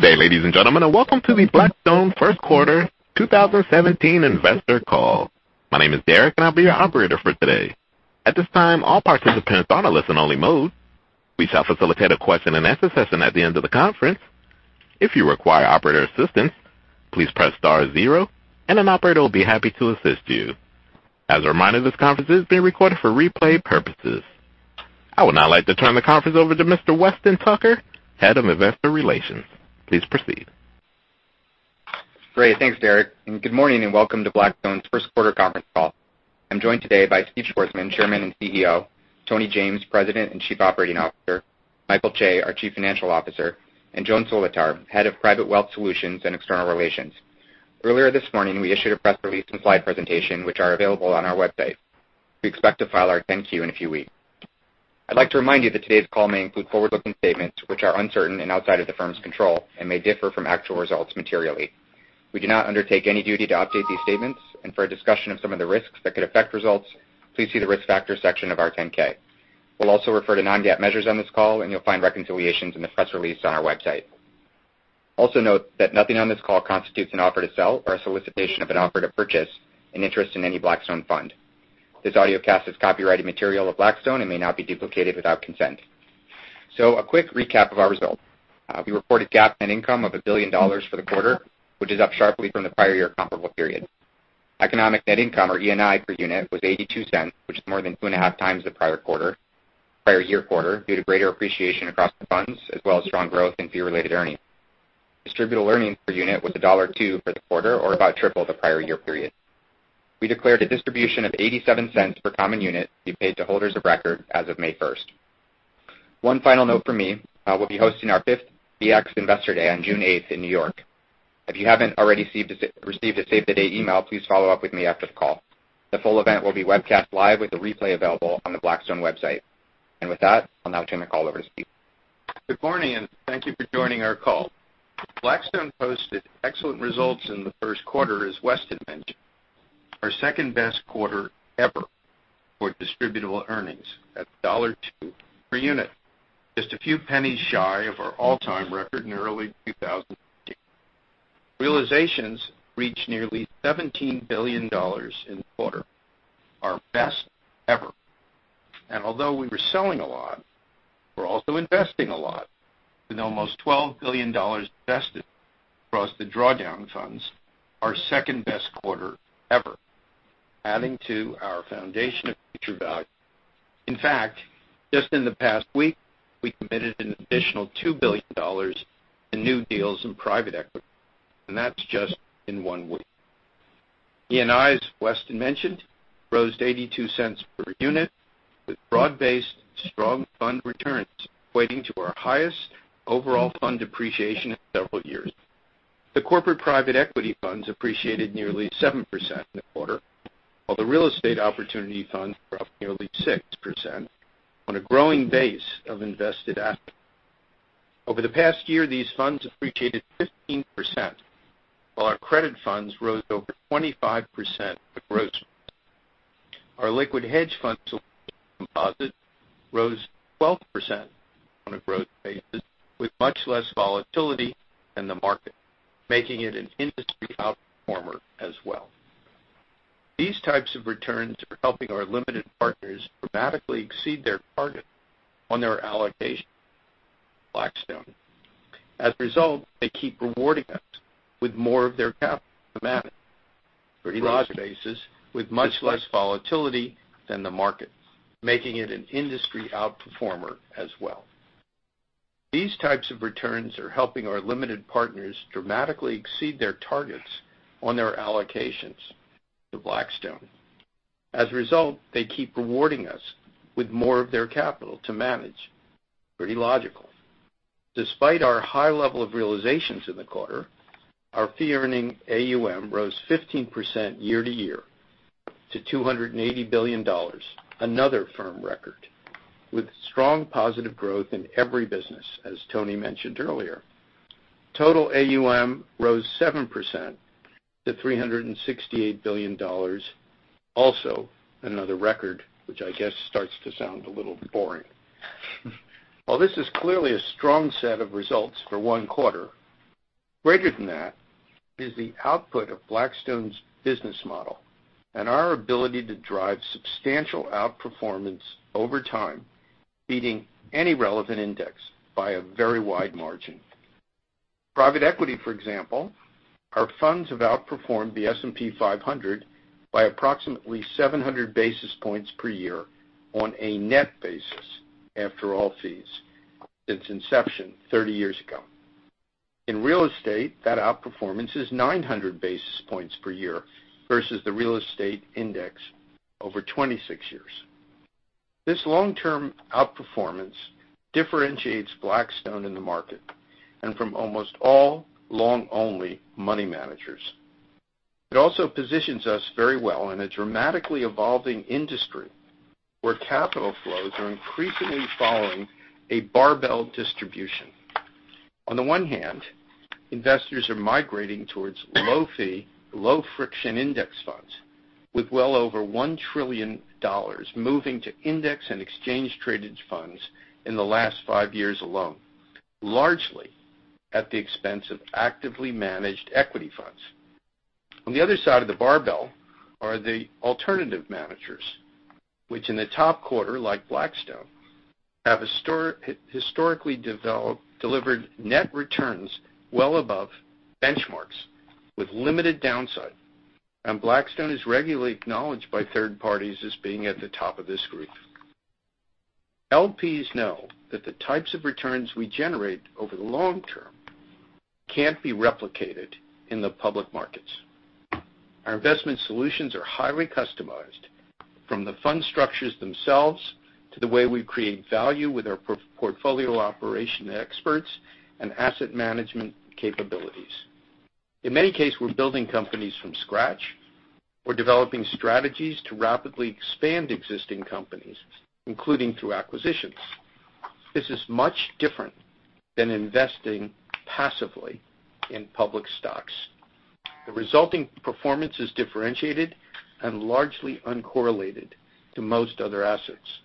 Good day, ladies and gentlemen, and welcome to the Blackstone first quarter 2017 investor call. My name is Derek, and I'll be your operator for today. At this time, all participants are in a listen-only mode. We shall facilitate a question-and-answer session at the end of the conference. If you require operator assistance, please press star zero and an operator will be happy to assist you. As a reminder, this conference is being recorded for replay purposes. I would now like to turn the conference over to Mr. Weston Tucker, Head of Investor Relations. Please proceed. Great. Thanks, Derek, and good morning, and welcome to Blackstone's first quarter conference call. I'm joined today by Steve Schwarzman, Chairman and CEO; Tony James, President and Chief Operating Officer; Michael Chae, our Chief Financial Officer; and Joan Solotar, Head of Private Wealth Solutions and External Relations. Earlier this morning, we issued a press release and slide presentation, which are available on our website. We expect to file our 10-Q in a few weeks. I'd like to remind you that today's call may include forward-looking statements, which are uncertain and outside of the firm's control and may differ from actual results materially. We do not undertake any duty to update these statements, and for a discussion of some of the risks that could affect results, please see the Risk Factors section of our 10-K. We'll also refer to non-GAAP measures on this call, and you'll find reconciliations in the press release on our website. Also note that nothing on this call constitutes an offer to sell or a solicitation of an offer to purchase an interest in any Blackstone fund. This audiocast is copyrighted material of Blackstone and may not be duplicated without consent. A quick recap of our results. We reported GAAP net income of $1 billion for the quarter, which is up sharply from the prior year comparable period. Economic net income, or ENI per unit, was $0.82, which is more than two and a half times the prior year quarter due to greater appreciation across the funds, as well as strong growth in fee-related earnings. Distributable earnings per unit was $1.02 for the quarter, or about triple the prior year period. We declared a distribution of $0.87 per common unit to be paid to holders of record as of May first. One final note from me. We'll be hosting our fifth BX Investor Day on June eighth in New York. If you haven't already received a save the date email, please follow up with me after the call. The full event will be webcast live with the replay available on the Blackstone website. With that, I'll now turn the call over to Steve. Good morning, thank you for joining our call. Blackstone posted excellent results in the first quarter, as Weston mentioned. Our second-best quarter ever for distributable earnings at $1.02 per unit, just a few pennies shy of our all-time record in early 2016. Realizations reached nearly $17 billion in the quarter, our best ever. Although we were selling a lot, we're also investing a lot with almost $12 billion invested across the drawdown funds, our second-best quarter ever, adding to our foundation of future value. In fact, just in the past week, we committed an additional $2 billion in new deals in private equity, that's just in one week. ENI, as Weston mentioned, rose to $0.82 per unit with broad-based strong fund returns equating to our highest overall fund appreciation in several years. The corporate private equity funds appreciated nearly 7% in the quarter, while the real estate opportunity funds were up nearly 6% on a growing base of invested assets. Over the past year, these funds appreciated 15%, while our credit funds rose over 25% gross. Our liquid hedge funds composite rose 12% on a growth basis with much less volatility than the market, making it an industry outperformer as well. These types of returns are helping our limited partners dramatically exceed their target on their allocation to Blackstone. They keep rewarding us with more of their capital to manage. Pretty logical. Despite our high level of realizations in the quarter, our fee-earning AUM rose 15% year-over-year to $280 billion, another firm record with strong positive growth in every business, as Tony mentioned earlier. Total AUM rose 7% to $368 billion. Another record, which I guess starts to sound a little boring. While this is clearly a strong set of results for one quarter, greater than that is the output of Blackstone's business model and our ability to drive substantial outperformance over time, beating any relevant index by a very wide margin. Private equity, for example, our funds have outperformed the S&P 500 by approximately 700 basis points per year on a net basis after all fees since inception 30 years ago. In real estate, that outperformance is 900 basis points per year versus the real estate index over 26 years. This long-term outperformance differentiates Blackstone in the market and from almost all long-only money managers. Positions us very well in a dramatically evolving industry where capital flows are increasingly following a barbell distribution. Investors are migrating towards low fee, low friction index funds with well over $1 trillion moving to index and exchange traded funds in the last five years alone, largely at the expense of actively managed equity funds. The other side of the barbell are the alternative managers, which in the top quarter, like Blackstone, have historically delivered net returns well above benchmarks with limited downside, Blackstone is regularly acknowledged by third parties as being at the top of this group. LPs know that the types of returns we generate over the long term can't be replicated in the public markets. Our investment solutions are highly customized from the fund structures themselves to the way we create value with our portfolio operation experts and asset management capabilities. In many cases, we're building companies from scratch. We're developing strategies to rapidly expand existing companies, including through acquisitions. This is much different than investing passively in public stocks. The resulting performance is differentiated and largely uncorrelated to most other assets.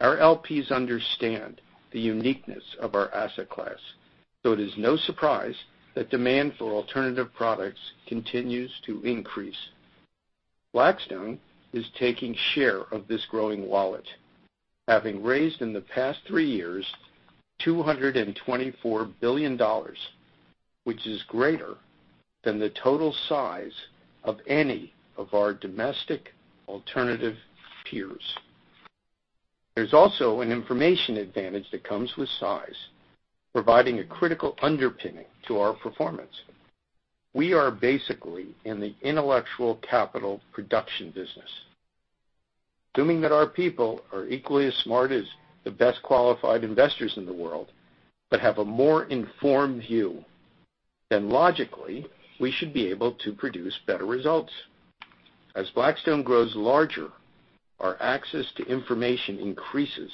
Our LPs understand the uniqueness of our asset class, it is no surprise that demand for alternative products continues to increase. Blackstone is taking share of this growing wallet, having raised in the past 3 years $224 billion, which is greater than the total size of any of our domestic alternative peers. There's also an information advantage that comes with size, providing a critical underpinning to our performance. We are basically in the intellectual capital production business. Assuming that our people are equally as smart as the best qualified investors in the world but have a more informed view, logically, we should be able to produce better results. As Blackstone grows larger, our access to information increases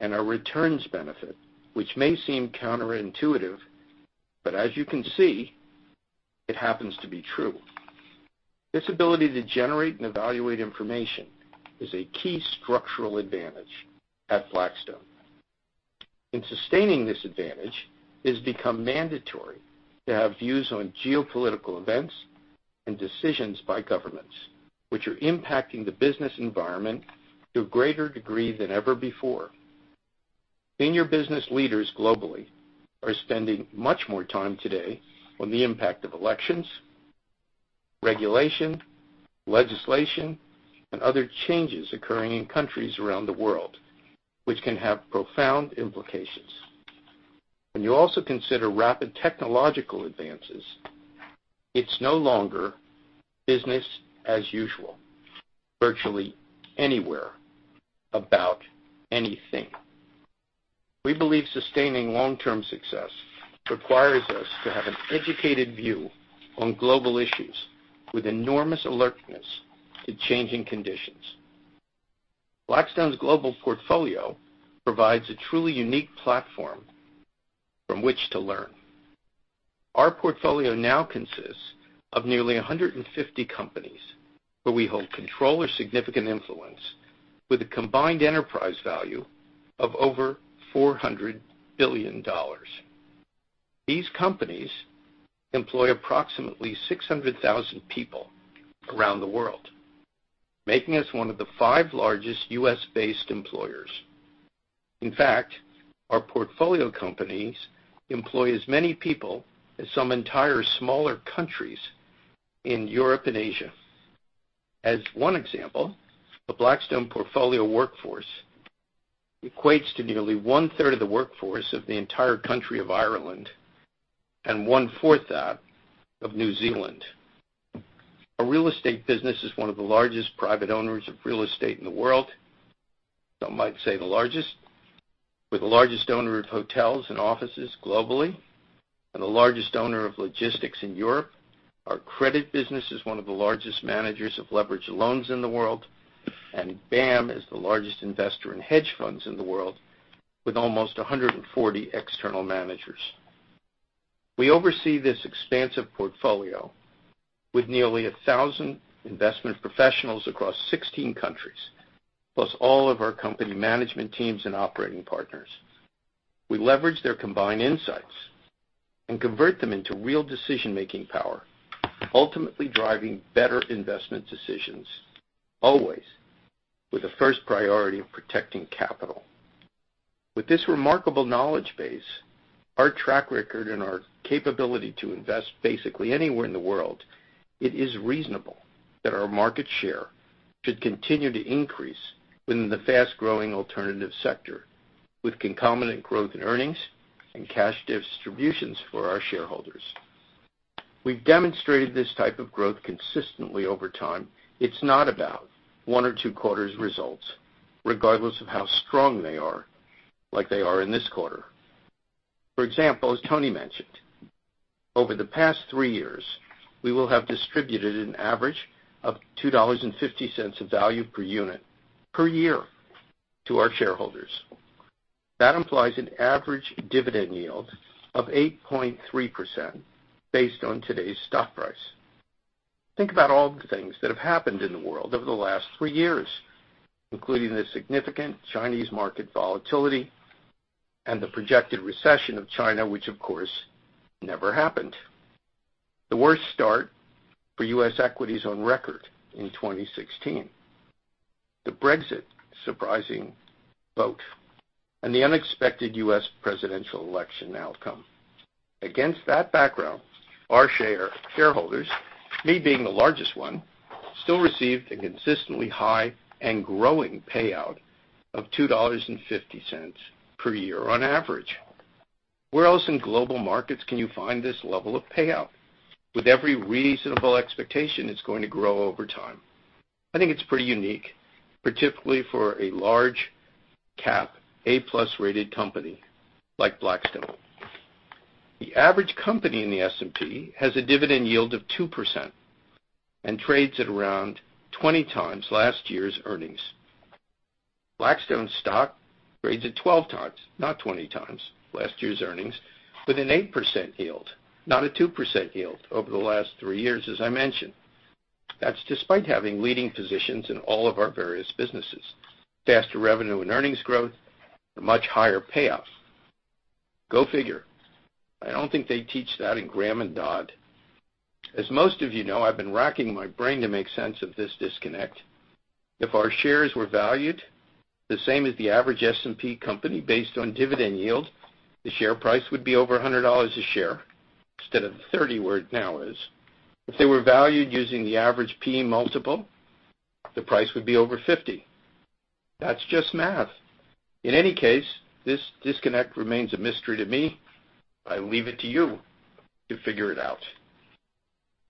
and our returns benefit, which may seem counterintuitive, but as you can see, it happens to be true. This ability to generate and evaluate information is a key structural advantage at Blackstone. In sustaining this advantage, it has become mandatory to have views on geopolitical events and decisions by governments, which are impacting the business environment to a greater degree than ever before. Senior business leaders globally are spending much more time today on the impact of elections, regulation, legislation, and other changes occurring in countries around the world, which can have profound implications. When you also consider rapid technological advances, it's no longer business as usual virtually anywhere about anything. We believe sustaining long-term success requires us to have an educated view on global issues with enormous alertness to changing conditions. Blackstone's global portfolio provides a truly unique platform from which to learn. Our portfolio now consists of nearly 150 companies where we hold control or significant influence with a combined enterprise value of over $400 billion. These companies employ approximately 600,000 people around the world, making us one of the five largest U.S.-based employers. In fact, our portfolio companies employ as many people as some entire smaller countries in Europe and Asia. As one example, the Blackstone portfolio workforce equates to nearly one-third of the workforce of the entire country of Ireland and one-fourth that of New Zealand. Our real estate business is one of the largest private owners of real estate in the world, some might say the largest. We're the largest owner of hotels and offices globally and the largest owner of logistics in Europe. Our credit business is one of the largest managers of leveraged loans in the world, and BAAM is the largest investor in hedge funds in the world with almost 140 external managers. We oversee this expansive portfolio with nearly 1,000 investment professionals across 16 countries, plus all of our company management teams and operating partners. We leverage their combined insights and convert them into real decision-making power, ultimately driving better investment decisions, always with the first priority of protecting capital. With this remarkable knowledge base, our track record, and our capability to invest basically anywhere in the world, it is reasonable that our market share should continue to increase within the fast-growing alternative sector with concomitant growth in earnings and cash distributions for our shareholders. We've demonstrated this type of growth consistently over time. It's not about one or two quarters results, regardless of how strong they are, like they are in this quarter. For example, as Tony mentioned, over the past three years, we will have distributed an average of $2.50 of value per unit per year to our shareholders. That implies an average dividend yield of 8.3% based on today's stock price. Think about all the things that have happened in the world over the last three years, including the significant Chinese market volatility and the projected recession of China, which of course never happened. The worst start for U.S. equities on record in 2016. The Brexit surprising vote, and the unexpected U.S. presidential election outcome. Against that background, our shareholders, me being the largest one, still received a consistently high and growing payout of $2.50 per year on average. Where else in global markets can you find this level of payout? With every reasonable expectation it's going to grow over time. I think it's pretty unique, particularly for a large cap, A-plus rated company like Blackstone. The average company in the S&P has a dividend yield of 2% and trades at around 20 times last year's earnings. Blackstone stock trades at 12 times, not 20 times last year's earnings, with an 8% yield, not a 2% yield over the last three years, as I mentioned. That's despite having leading positions in all of our various businesses. Faster revenue and earnings growth, a much higher payout. Go figure. I don't think they teach that in Graham and Dodd. As most of you know, I've been racking my brain to make sense of this disconnect. If our shares were valued the same as the average S&P company based on dividend yield, the share price would be over $100 a share, instead of the $30 where it now is. If they were valued using the average PE multiple, the price would be over $50. That's just math. In any case, this disconnect remains a mystery to me. I leave it to you to figure it out.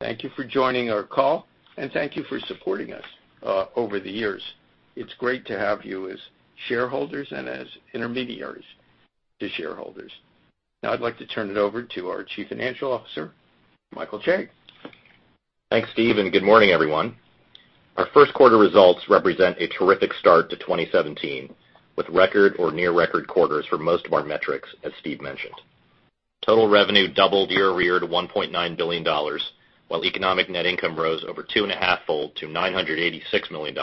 Thank you for joining our call and thank you for supporting us over the years. It's great to have you as shareholders and as intermediaries to shareholders. Now I'd like to turn it over to our Chief Financial Officer, Michael Chae. Thanks, Steve, good morning, everyone. Our first quarter results represent a terrific start to 2017, with record or near record quarters for most of our metrics, as Steve mentioned. Total revenue doubled year-over-year to $1.9 billion, while economic net income rose over two and a half fold to $986 million,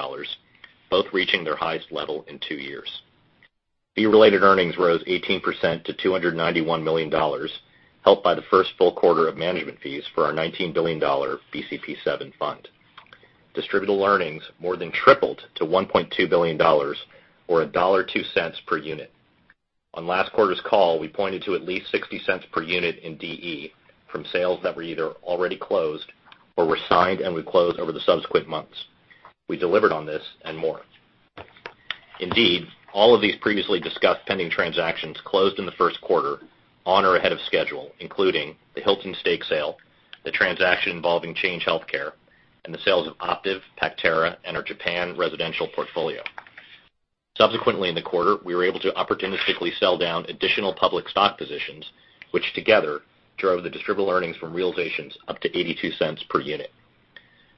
both reaching their highest level in two years. Fee related earnings rose 18% to $291 million, helped by the first full quarter of management fees for our $19 billion BCP VII fund. Distributable earnings more than tripled to $1.2 billion, or $1.02 per unit. On last quarter's call, we pointed to at least $0.60 per unit in DE from sales that were either already closed or were signed and would close over the subsequent months. We delivered on this and more. Indeed, all of these previously discussed pending transactions closed in the first quarter on or ahead of schedule, including the Hilton stake sale, the transaction involving Change Healthcare, and the sales of Optiv, Pactera, and our Japan residential portfolio. Subsequently, in the quarter, we were able to opportunistically sell down additional public stock positions, which together drove the distributable earnings from realizations up to $0.82 per unit.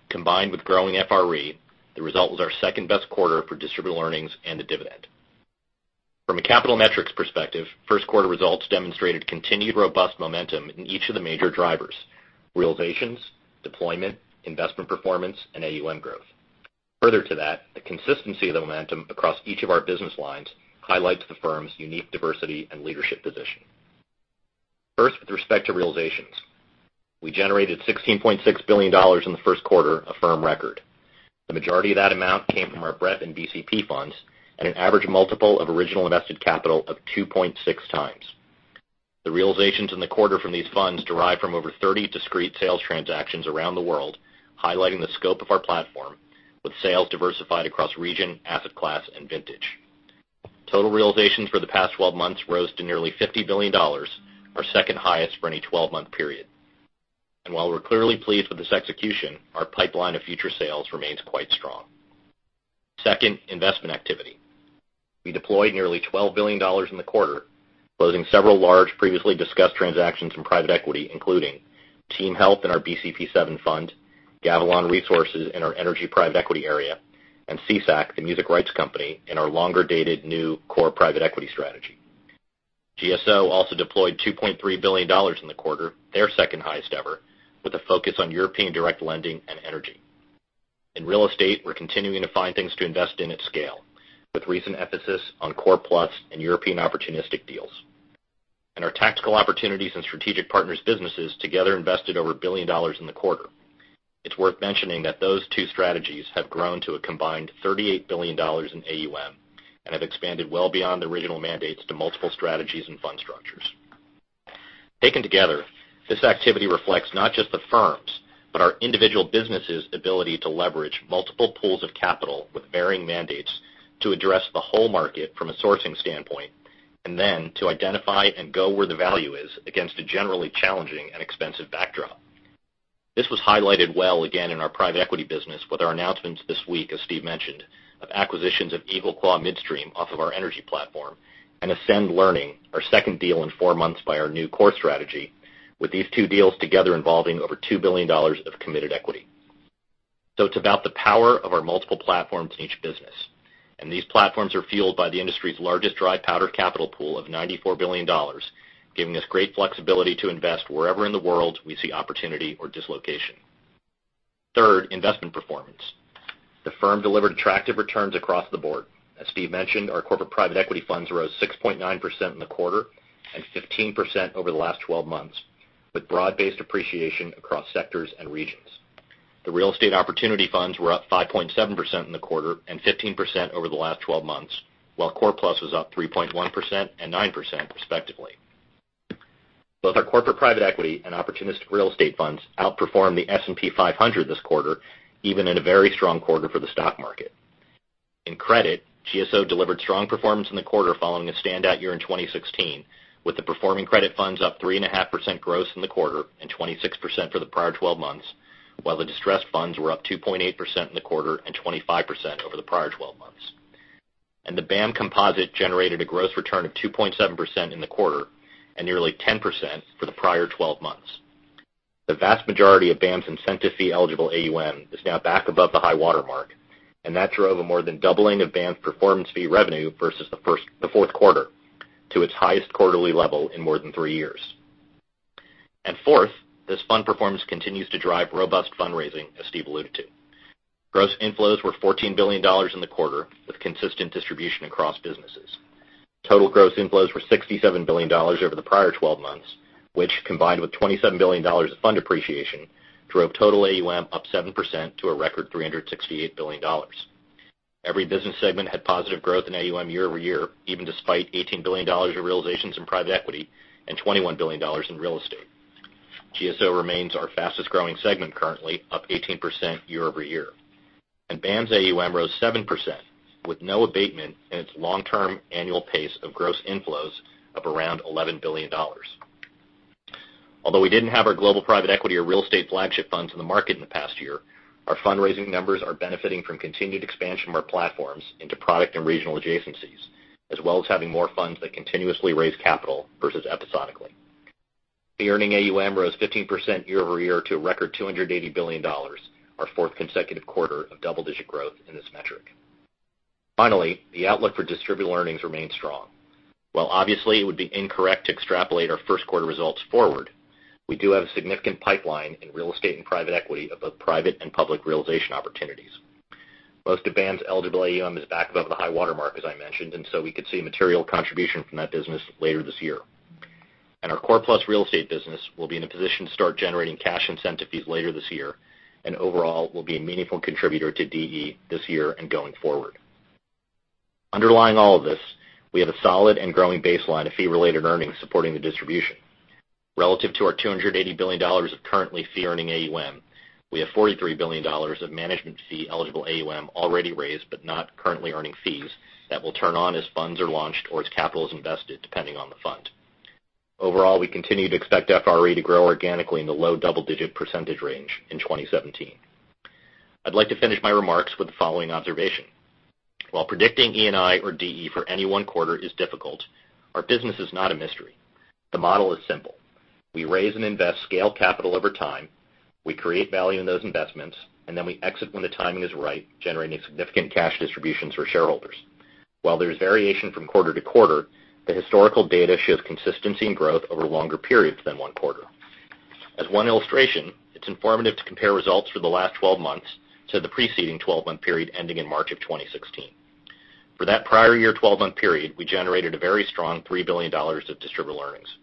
Combined with growing FRE, the result was our second-best quarter for distributable earnings and the dividend. From a capital metrics perspective, first quarter results demonstrated continued robust momentum in each of the major drivers, realizations, deployment, investment performance, and AUM growth. Further to that, the consistency of the momentum across each of our business lines highlights the firm's unique diversity and leadership position. First, with respect to realizations. We generated $16.6 billion in the first quarter, a firm record. The majority of that amount came from our BREP and BCP funds at an average multiple of original invested capital of 2.6 times. The realizations in the quarter from these funds derive from over 30 discrete sales transactions around the world, highlighting the scope of our platform, with sales diversified across region, asset class, and vintage. Total realizations for the past 12 months rose to nearly $50 billion, our second highest for any 12-month period. While we're clearly pleased with this execution, our pipeline of future sales remains quite strong. Second, investment activity. We deployed nearly $12 billion in the quarter, closing several large previously discussed transactions in private equity, including TeamHealth in our BCP VII fund, Gavilan Resources in our energy private equity area, and SESAC, the music rights company, in our longer-dated new core private equity strategy. GSO also deployed $2.3 billion in the quarter, their second highest ever, with a focus on European direct lending and energy. In real estate, we're continuing to find things to invest in at scale, with recent emphasis on Core Plus and European opportunistic deals. Our Tactical Opportunities and Strategic Partners businesses together invested over $1 billion in the quarter. It's worth mentioning that those two strategies have grown to a combined $38 billion in AUM and have expanded well beyond the original mandates to multiple strategies and fund structures. Taken together, this activity reflects not just the firm's, but our individual businesses' ability to leverage multiple pools of capital with varying mandates to address the whole market from a sourcing standpoint, to identify and go where the value is against a generally challenging and expensive backdrop. This was highlighted well again in our private equity business with our announcements this week, as Steve mentioned, of acquisitions of EagleClaw Midstream off of our energy platform, and Ascend Learning, our second deal in four months by our new core strategy, with these two deals together involving over $2 billion of committed equity. It's about the power of our multiple platforms in each business. These platforms are fueled by the industry's largest dry powder capital pool of $94 billion, giving us great flexibility to invest wherever in the world we see opportunity or dislocation. Third, investment performance. The firm delivered attractive returns across the board. As Steve mentioned, our corporate private equity funds rose 6.9% in the quarter and 15% over the last 12 months, with broad-based appreciation across sectors and regions. The real estate opportunity funds were up 5.7% in the quarter and 15% over the last 12 months, while Core Plus was up 3.1% and 9%, respectively. Both our corporate private equity and opportunistic real estate funds outperformed the S&P 500 this quarter, even in a very strong quarter for the stock market. In credit, GSO delivered strong performance in the quarter following a standout year in 2016, with the performing credit funds up 3.5% gross in the quarter and 26% for the prior 12 months, while the distressed funds were up 2.8% in the quarter and 25% over the prior 12 months. The BAM composite generated a gross return of 2.7% in the quarter and nearly 10% for the prior 12 months. The vast majority of BAM's incentive fee-eligible AUM is now back above the high-water mark, and that drove a more than doubling of BAM's performance fee revenue versus the fourth quarter to its highest quarterly level in more than three years. Fourth, this fund performance continues to drive robust fundraising, as Steve alluded to. Gross inflows were $14 billion in the quarter, with consistent distribution across businesses. Total gross inflows were $67 billion over the prior 12 months, which, combined with $27 billion of fund appreciation, drove total AUM up 7% to a record $368 billion. Every business segment had positive growth in AUM year-over-year, even despite $18 billion of realizations in private equity and $21 billion in real estate. GSO remains our fastest-growing segment currently, up 18% year-over-year. BAM's AUM rose 7%, with no abatement in its long-term annual pace of gross inflows of around $11 billion. Although we didn't have our global private equity or real estate flagship funds in the market in the past year, our fundraising numbers are benefiting from continued expansion of our platforms into product and regional adjacencies, as well as having more funds that continuously raise capital versus episodically. Fee-earning AUM rose 15% year-over-year to a record $280 billion, our fourth consecutive quarter of double-digit growth in this metric. Finally, the outlook for distributor earnings remains strong. While obviously it would be incorrect to extrapolate our first quarter results forward, we do have a significant pipeline in real estate and private equity of both private and public realization opportunities. Most of BAM's eligible AUM is back above the high-water mark, as I mentioned, we could see material contribution from that business later this year. Our Core Plus real estate business will be in a position to start generating cash incentive fees later this year and overall will be a meaningful contributor to DE this year and going forward. Underlying all of this, we have a solid and growing baseline of fee-related earnings supporting the distribution. Relative to our $280 billion of currently fee-earning AUM, we have $43 billion of management fee-eligible AUM already raised but not currently earning fees that will turn on as funds are launched or as capital is invested, depending on the fund. Overall, we continue to expect FRE to grow organically in the low double-digit percentage range in 2017. I'd like to finish my remarks with the following observation. While predicting ENI or DE for any one quarter is difficult, our business is not a mystery. The model is simple. We raise and invest scaled capital over time, we create value in those investments, then we exit when the timing is right, generating significant cash distributions for shareholders. While there's variation from quarter to quarter, the historical data shows consistency in growth over longer periods than one quarter. As one illustration, it's informative to compare results for the last 12 months to the preceding 12-month period ending in March 2016. For that prior year 12-month period, we generated a very strong $3 billion of distributable earnings.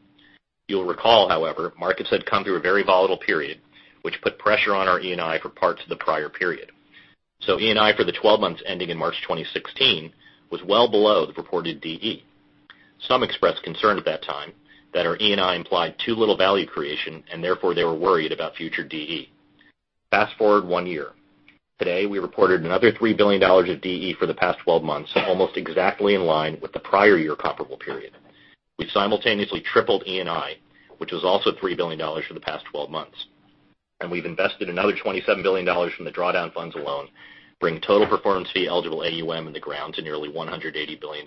You'll recall, however, markets had come through a very volatile period, which put pressure on our ENI for parts of the prior period. ENI for the 12 months ending in March 2016 was well below the reported DE. Some expressed concern at that time that our ENI implied too little value creation, therefore they were worried about future DE. Fast-forward one year. Today, we reported another $3 billion of DE for the past 12 months, almost exactly in line with the prior year comparable period. We've simultaneously tripled ENI, which was also $3 billion for the past 12 months. We've invested another $27 billion from the drawdown funds alone, bringing total performance fee-eligible AUM in the ground to nearly $180 billion.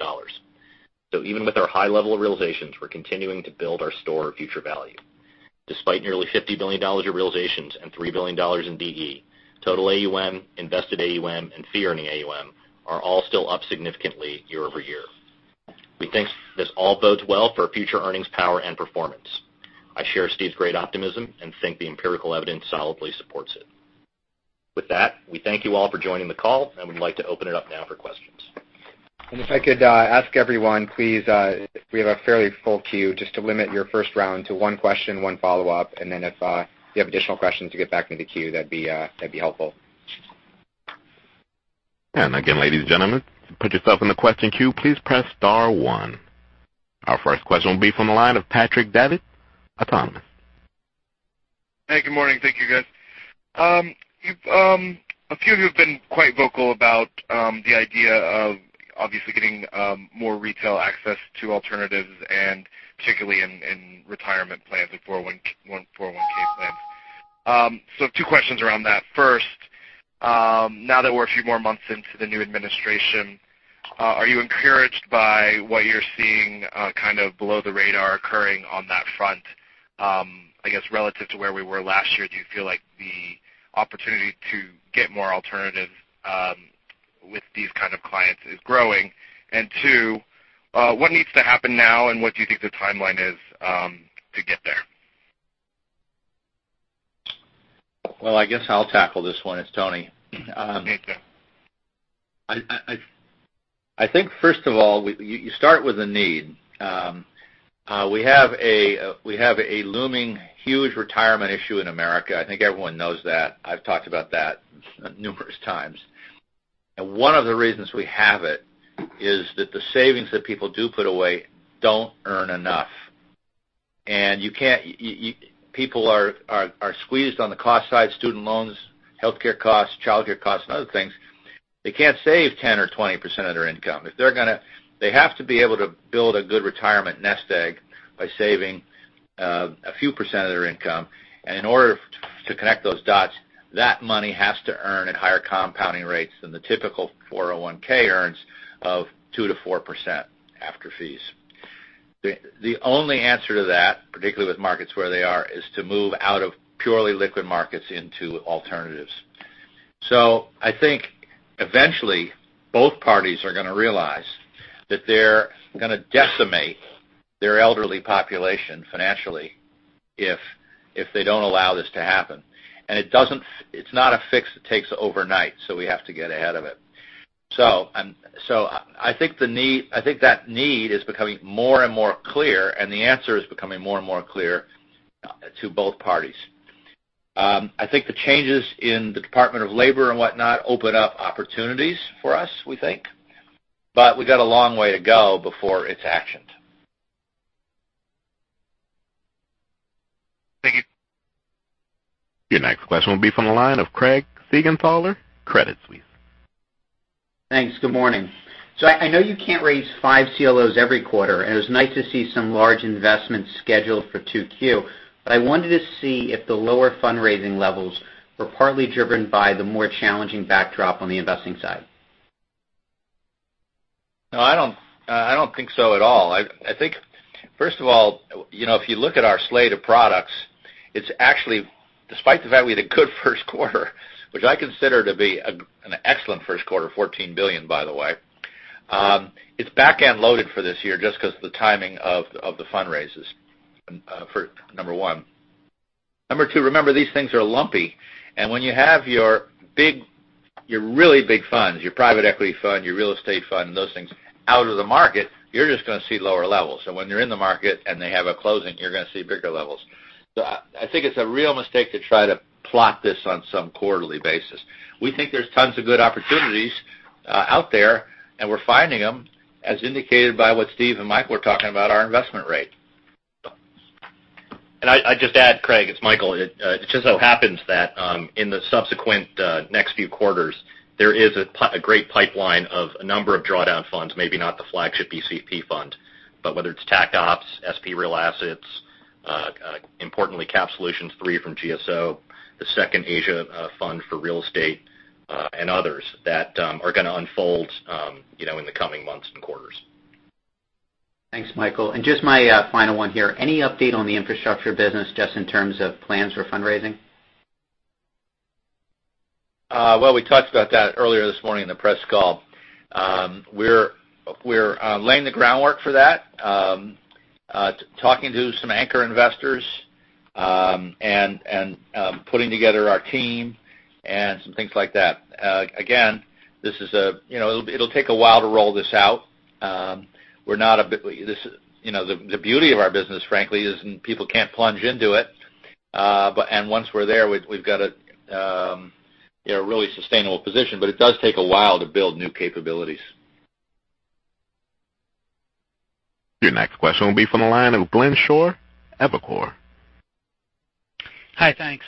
Even with our high level of realizations, we're continuing to build our store of future value. Despite nearly $50 billion of realizations and $3 billion in DE, total AUM, invested AUM, and fee-earning AUM are all still up significantly year-over-year. We think this all bodes well for future earnings power and performance. I share Steve's great optimism and think the empirical evidence solidly supports it. With that, we thank you all for joining the call, and we'd like to open it up now for questions. If I could ask everyone, please, we have a fairly full queue, just to limit your first round to one question, one follow-up, if you have additional questions to get back into queue, that'd be helpful. ladies and gentlemen, to put yourself in the question queue, please press star one. Our first question will be from the line of Patrick Davitt, Autonomous. Hey, good morning. Thank you, guys. A few of you have been quite vocal about the idea of obviously getting more retail access to alternatives and particularly in retirement plans and 401 plans. Two questions around that. First, now that we're a few more months into the new administration. Are you encouraged by what you're seeing below the radar occurring on that front? I guess, relative to where we were last year, do you feel like the opportunity to get more alternatives with these kind of clients is growing? Two, what needs to happen now, and what do you think the timeline is to get there? Well, I guess I'll tackle this one. It's Tony. Okay. I think, first of all, you start with a need. We have a looming huge retirement issue in America. I think everyone knows that. I've talked about that numerous times. One of the reasons we have it is that the savings that people do put away don't earn enough. People are squeezed on the cost side, student loans, healthcare costs, childcare costs, and other things. They can't save 10% or 20% of their income. They have to be able to build a good retirement nest egg by saving a few percent of their income. In order to connect those dots, that money has to earn at higher compounding rates than the typical 401 earns of 2% to 4% after fees. The only answer to that, particularly with markets where they are, is to move out of purely liquid markets into alternatives. I think eventually both parties are going to realize that they're going to decimate their elderly population financially if they don't allow this to happen. It's not a fix that takes overnight, so we have to get ahead of it. I think that need is becoming more and more clear, and the answer is becoming more and more clear to both parties. I think the changes in the Department of Labor and whatnot open up opportunities for us, we think. We got a long way to go before it's actioned. Thank you. Your next question will be from the line of Craig Siegenthaler, Credit Suisse. Thanks. Good morning. I know you can't raise five CLOs every quarter, and it was nice to see some large investments scheduled for 2Q, but I wanted to see if the lower fundraising levels were partly driven by the more challenging backdrop on the investing side. No, I don't think so at all. I think, first of all, if you look at our slate of products, it's actually, despite the fact we had a good first quarter, which I consider to be an excellent first quarter, $14 billion, by the way, it's backend loaded for this year just because the timing of the fundraises for number one. Number two, remember, these things are lumpy. When you have your really big funds, your private equity fund, your real estate fund, and those things out of the market, you're just going to see lower levels. When they're in the market and they have a closing, you're going to see bigger levels. I think it's a real mistake to try to plot this on some quarterly basis. We think there's tons of good opportunities out there, and we're finding them as indicated by what Steve Schwarzman and Michael Chae were talking about our investment rate. I'd just add, Craig Siegenthaler, it's Michael Chae. It just so happens that in the subsequent next few quarters, there is a great pipeline of a number of drawdown funds, maybe not the flagship BCP fund, but whether it's Tactical Opportunities, Strategic Partners Real Assets, importantly, Capital Solutions III from GSO Capital Partners, the second Asia fund for real estate, and others that are going to unfold in the coming months and quarters. Thanks, Michael Chae. Just my final one here. Any update on the infrastructure business just in terms of plans for fundraising? Well, we talked about that earlier this morning in the press call. We're laying the groundwork for that, talking to some anchor investors, and putting together our team and some things like that. Again, it'll take a while to roll this out. The beauty of our business, frankly, is people can't plunge into it. Once we're there, we've got a really sustainable position, it does take a while to build new capabilities. Your next question will be from the line of Glenn Schorr, Evercore. Hi. Thanks.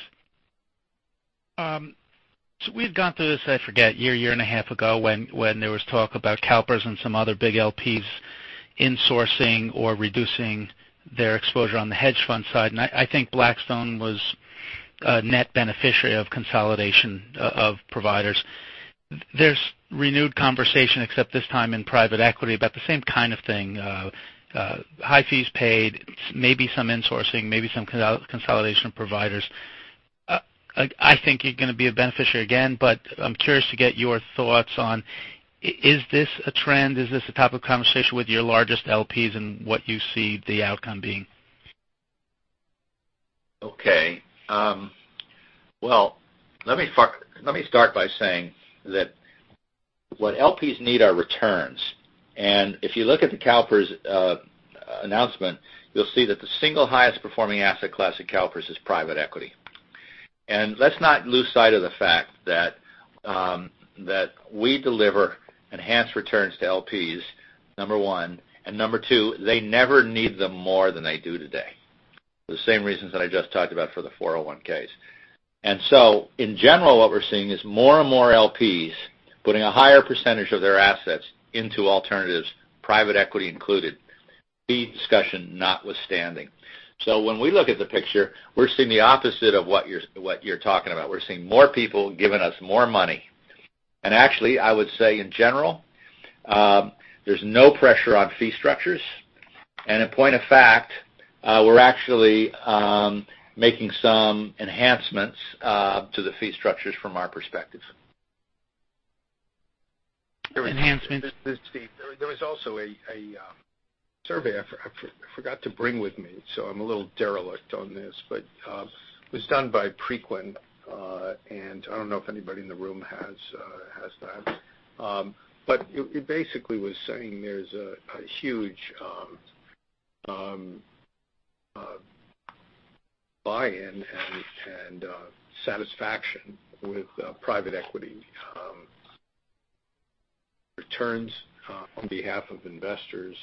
We've gone through this, I forget, year and a half ago when there was talk about CalPERS and some other big LPs insourcing or reducing their exposure on the hedge fund side. I think Blackstone was a net beneficiary of consolidation of providers. There's renewed conversation, except this time in private equity, about the same kind of thing. High fees paid, maybe some insourcing, maybe some consolidation of providers. I think you're going to be a beneficiary again, I'm curious to get your thoughts on, is this a trend? Is this a type of conversation with your largest LPs and what you see the outcome being? Okay. Well, let me start by saying that what LPs need are returns. If you look at the CalPERS announcement, you'll see that the single highest performing asset class at CalPERS is private equity. Let's not lose sight of the fact that we deliver enhanced returns to LPs, number one, and number two, they never need them more than they do today. For the same reasons that I just talked about for the 401s. In general, what we're seeing is more and more LPs putting a higher % of their assets into alternatives, private equity included. Fee discussion notwithstanding. When we look at the picture, we're seeing the opposite of what you're talking about. We're seeing more people giving us more money. Actually, I would say in general, there's no pressure on fee structures. In point of fact, we're actually making some enhancements to the fee structures from our perspective. Enhancements. This is Steve. There was also a survey I forgot to bring with me, so I'm a little derelict on this, but it was done by Preqin, I don't know if anybody in the room has that. It basically was saying there's a huge buy-in and satisfaction with private equity returns on behalf of investors.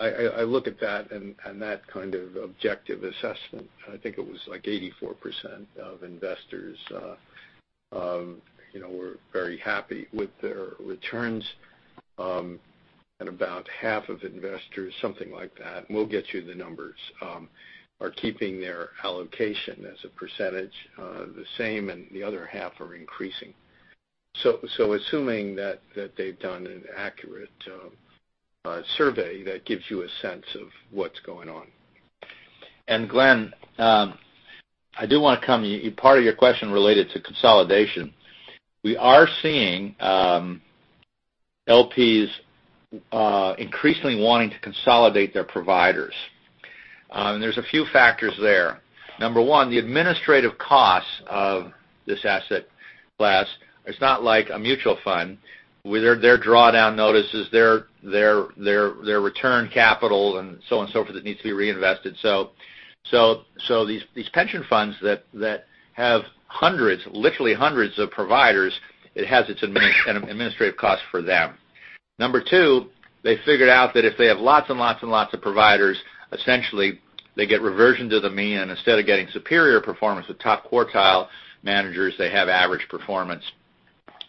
I look at that and that kind of objective assessment, I think it was like 84% of investors were very happy with their returns. About half of investors, something like that, we'll get you the numbers, are keeping their allocation as a percentage the same, and the other half are increasing. Assuming that they've done an accurate survey, that gives you a sense of what's going on. Glenn, I do want to come to part of your question related to consolidation. We are seeing LPs increasingly wanting to consolidate their providers. There's a few factors there. Number one, the administrative costs of this asset class, it's not like a mutual fund with their drawdown notices, their return capital and so on and so forth that needs to be reinvested. These pension funds that have hundreds, literally hundreds of providers, it has its administrative cost for them. Number two, they figured out that if they have lots and lots and lots of providers, essentially they get reversion to the mean, and instead of getting superior performance with top quartile managers, they have average performance.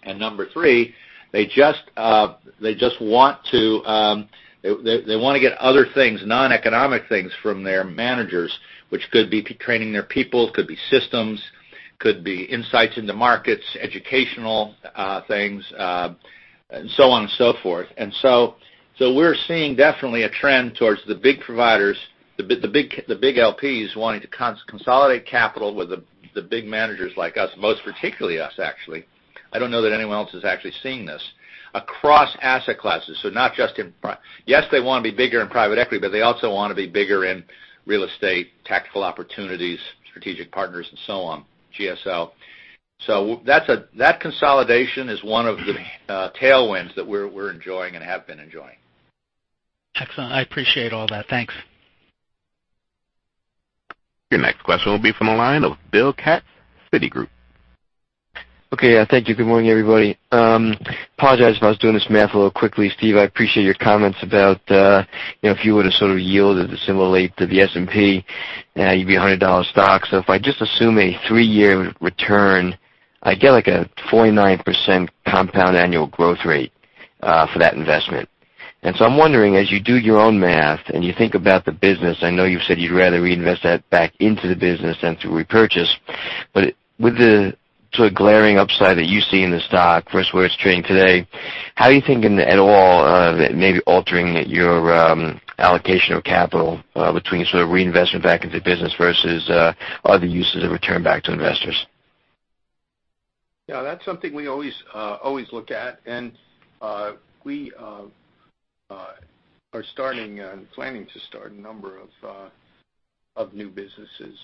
Number three, they want to get other things, non-economic things from their managers, which could be training their people, could be systems, could be insights into markets, educational things, so on and so forth. We're seeing definitely a trend towards the big providers, the big LPs wanting to consolidate capital with the big managers like us, most particularly us, actually. I don't know that anyone else is actually seeing this. Across asset classes. Yes, they want to be bigger in private equity, but they also want to be bigger in real estate, Tactical Opportunities, strategic partners, and so on, GSO. That consolidation is one of the tailwinds that we're enjoying and have been enjoying. Excellent. I appreciate all that. Thanks. Your next question will be from the line of Bill Katz, Citigroup. Okay. Thank you. Good morning, everybody. Apologize if I was doing this math a little quickly, Steve. I appreciate your comments about if you were to sort of yield at a similar rate to the S&P, you'd be a $100 stock. If I just assume a three-year return, I get like a 49% compound annual growth rate for that investment. I'm wondering, as you do your own math and you think about the business, I know you've said you'd rather reinvest that back into the business than to repurchase. With the sort of glaring upside that you see in the stock versus where it's trading today, how are you thinking at all of maybe altering your allocation of capital between sort of reinvestment back into the business versus other uses of return back to investors? Yeah, that's something we always look at, we are planning to start a number of new businesses.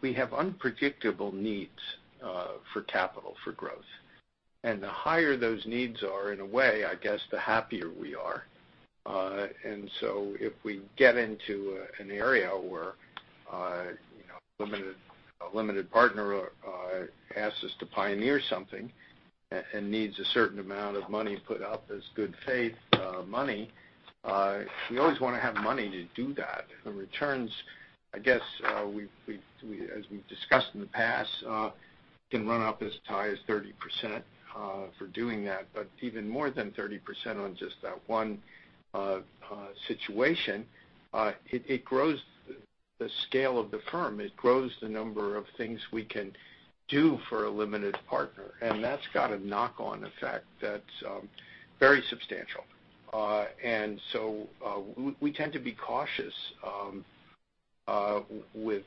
We have unpredictable needs for capital for growth. The higher those needs are, in a way, I guess, the happier we are. If we get into an area where a limited partner asks us to pioneer something and needs a certain amount of money put up as good faith money, we always want to have money to do that. The returns, I guess, as we've discussed in the past, can run up as high as 30% for doing that. Even more than 30% on just that one situation, it grows the scale of the firm. It grows the number of things we can do for a limited partner. That's got a knock-on effect that's very substantial. We tend to be cautious with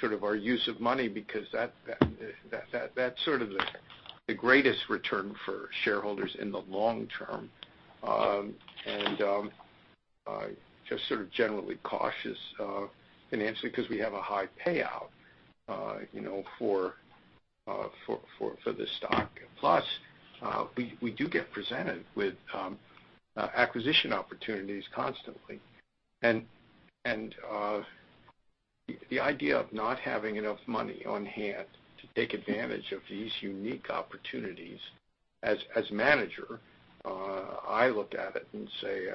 sort of our use of money because that's sort of the greatest return for shareholders in the long term. Just sort of generally cautious financially because we have a high payout for the stock. We do get presented with acquisition opportunities constantly. The idea of not having enough money on hand to take advantage of these unique opportunities, as manager, I look at it and say,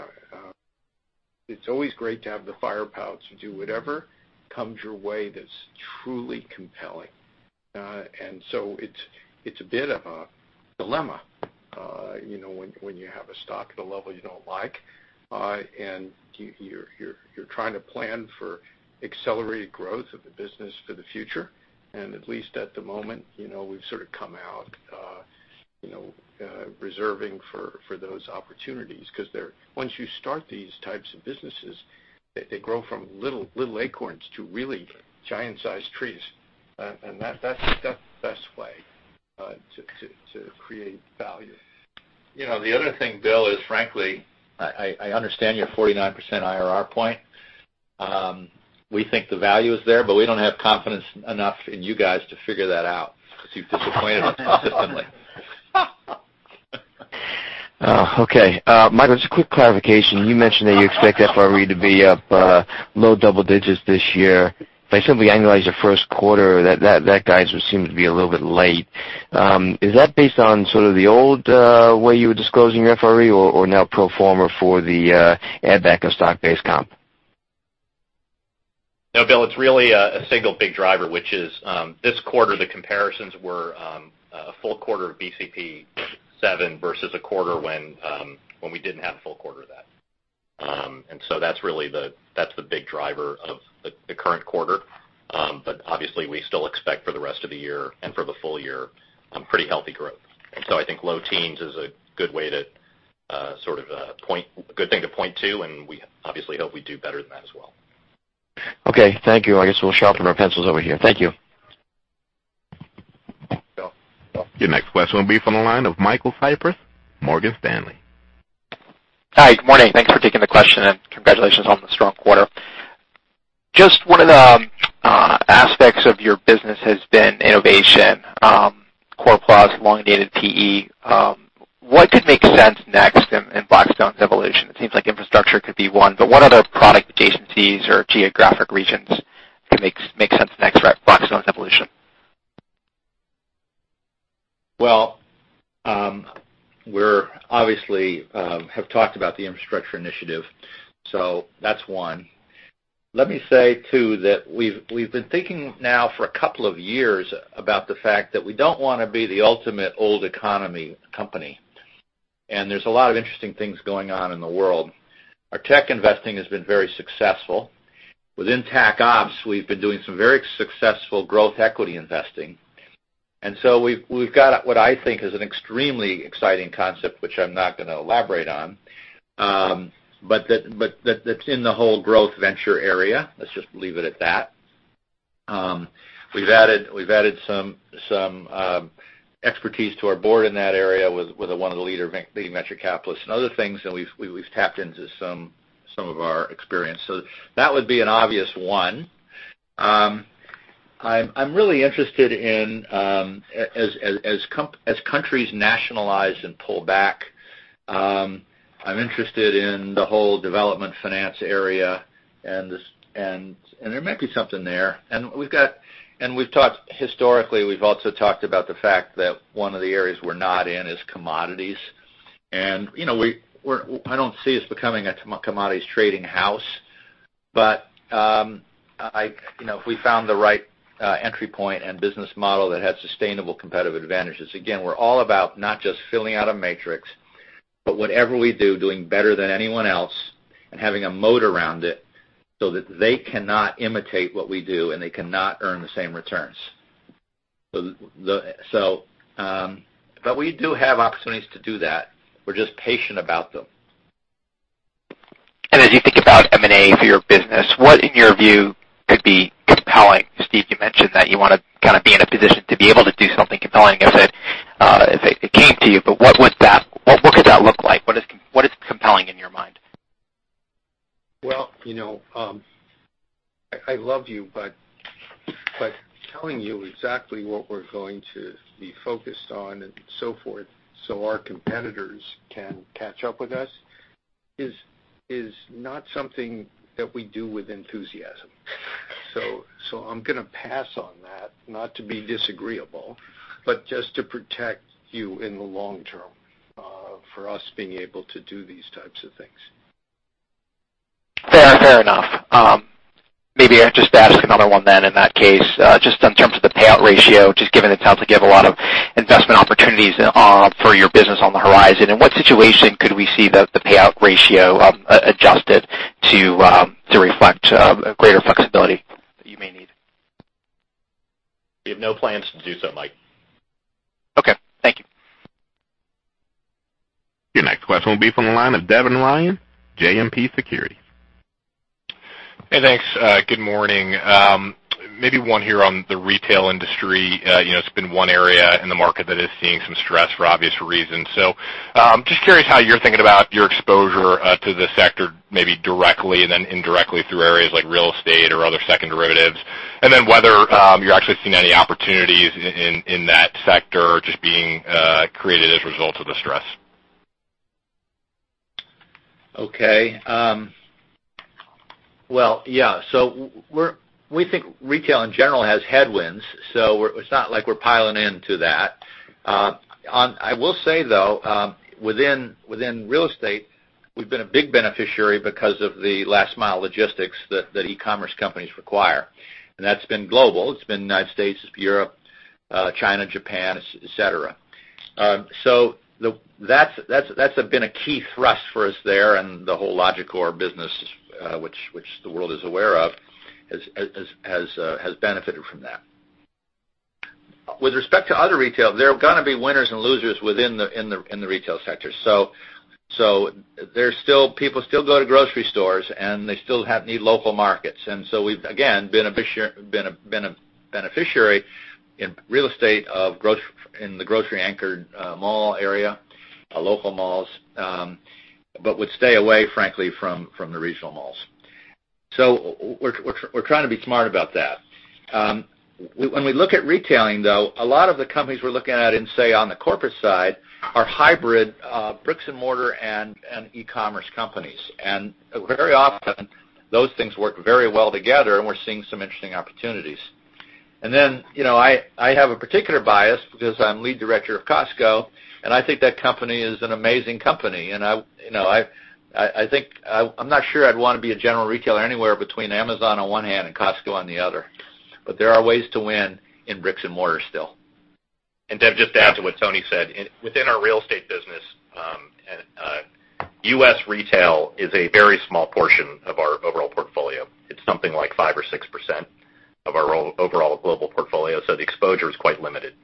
it's always great to have the firepower to do whatever comes your way that's truly compelling. It's a bit of a dilemma when you have a stock at a level you don't like, and you're trying to plan for accelerated growth of the business for the future. At least at the moment, we've sort of come out reserving for those opportunities because once you start these types of businesses, they grow from little acorns to really giant sized trees. That's the best way to create value. The other thing, Bill, is frankly, I understand your 49% IRR point. We think the value is there, we don't have confidence enough in you guys to figure that out because you've disappointed us consistently. Okay. Michael, just a quick clarification. You mentioned that you expect FRE to be up low double digits this year. If I simply annualize your first quarter, that guidance would seem to be a little bit light. Is that based on sort of the old way you were disclosing your FRE or now pro forma for the add back of stock-based comp? No, Bill, it's really a single big driver, which is this quarter, the comparisons were a full quarter of BCP VII versus a quarter when we didn't have a full quarter of that. That's the big driver of the current quarter. Obviously, we still expect for the rest of the year and for the full year, pretty healthy growth. I think low teens is a good thing to point to, and we obviously hope we do better than that as well. Okay, thank you. I guess we'll sharpen our pencils over here. Thank you. Thank you. Your next question will be from the line of Michael Cyprys, Morgan Stanley. Hi. Good morning. Thanks for taking the question and congratulations on the strong quarter. Just one of the aspects of your business has been innovation, Core Plus elongated PE. What could make sense next in Blackstone's evolution? It seems like infrastructure could be one, but what other product adjacencies or geographic regions could make sense next for Blackstone's evolution? Well, we obviously have talked about the infrastructure initiative, so that's one. Let me say, too, that we've been thinking now for a couple of years about the fact that we don't want to be the ultimate old economy company. There's a lot of interesting things going on in the world. Our tech investing has been very successful. Within Tac Opps, we've been doing some very successful growth equity investing. We've got what I think is an extremely exciting concept, which I'm not going to elaborate on. That's in the whole growth venture area. Let's just leave it at that. We've added some expertise to our board in that area with one of the leading venture capitalists and other things, and we've tapped into some of our experience. That would be an obvious one. I'm really interested in, as countries nationalize and pull back, I'm interested in the whole development finance area, and there might be something there. Historically, we've also talked about the fact that one of the areas we're not in is commodities. I don't see us becoming a commodities trading house. If we found the right entry point and business model that has sustainable competitive advantages. Again, we're all about not just filling out a matrix, but whatever we do, doing better than anyone else and having a moat around it so that they cannot imitate what we do, and they cannot earn the same returns. We do have opportunities to do that. We're just patient about them. As you think about M&A for your business, what in your view could be compelling? Steve, you mentioned that you want to kind of be in a position to be able to do something compelling if it came to you. What could that look like? What is compelling in your mind? I love you, but telling you exactly what we're going to be focused on and so forth so our competitors can catch up with us is not something that we do with enthusiasm. I'm going to pass on that, not to be disagreeable, but just to protect you in the long term for us being able to do these types of things. Fair enough. Maybe I'll just ask another one then in that case. Just in terms of the payout ratio, just given it sounds like you have a lot of investment opportunities for your business on the horizon, in what situation could we see the payout ratio adjusted to reflect a greater flexibility that you may need? We have no plans to do so, Mike. Okay. Thank you. Your next question will be from the line of Devin Ryan, JMP Securities. Hey, thanks. Good morning. Maybe one here on the retail industry. It's been one area in the market that is seeing some stress for obvious reasons. Just curious how you're thinking about your exposure to the sector, maybe directly and then indirectly through areas like real estate or other second derivatives, and then whether you're actually seeing any opportunities in that sector just being created as a result of the stress. Well, yeah. We think retail in general has headwinds, so it's not like we're piling into that. I will say, though, within real estate, we've been a big beneficiary because of the last mile logistics that e-commerce companies require. That's been global. It's been United States, it's Europe, China, Japan, et cetera. That's been a key thrust for us there. The whole Logicor business, which the world is aware of, has benefited from that. With respect to other retail, there are going to be winners and losers within the retail sector. People still go to grocery stores, and they still need local markets. We've, again, been a beneficiary in real estate in the grocery anchored mall area, local malls. Would stay away, frankly, from the regional malls. We're trying to be smart about that. When we look at retailing, though, a lot of the companies we're looking at in, say, on the corporate side, are hybrid bricks and mortar and e-commerce companies. Very often those things work very well together, and we're seeing some interesting opportunities. Then I have a particular bias because I'm lead director of Costco, and I think that company is an amazing company, and I'm not sure I'd want to be a general retailer anywhere between Amazon on one hand and Costco on the other. There are ways to win in bricks and mortar still. Dev, just to add to what Tony said. Within our real estate business, U.S. retail is a very small portion of our overall portfolio. It's something like 5% or 6% of our overall global portfolio, so the exposure is quite limited.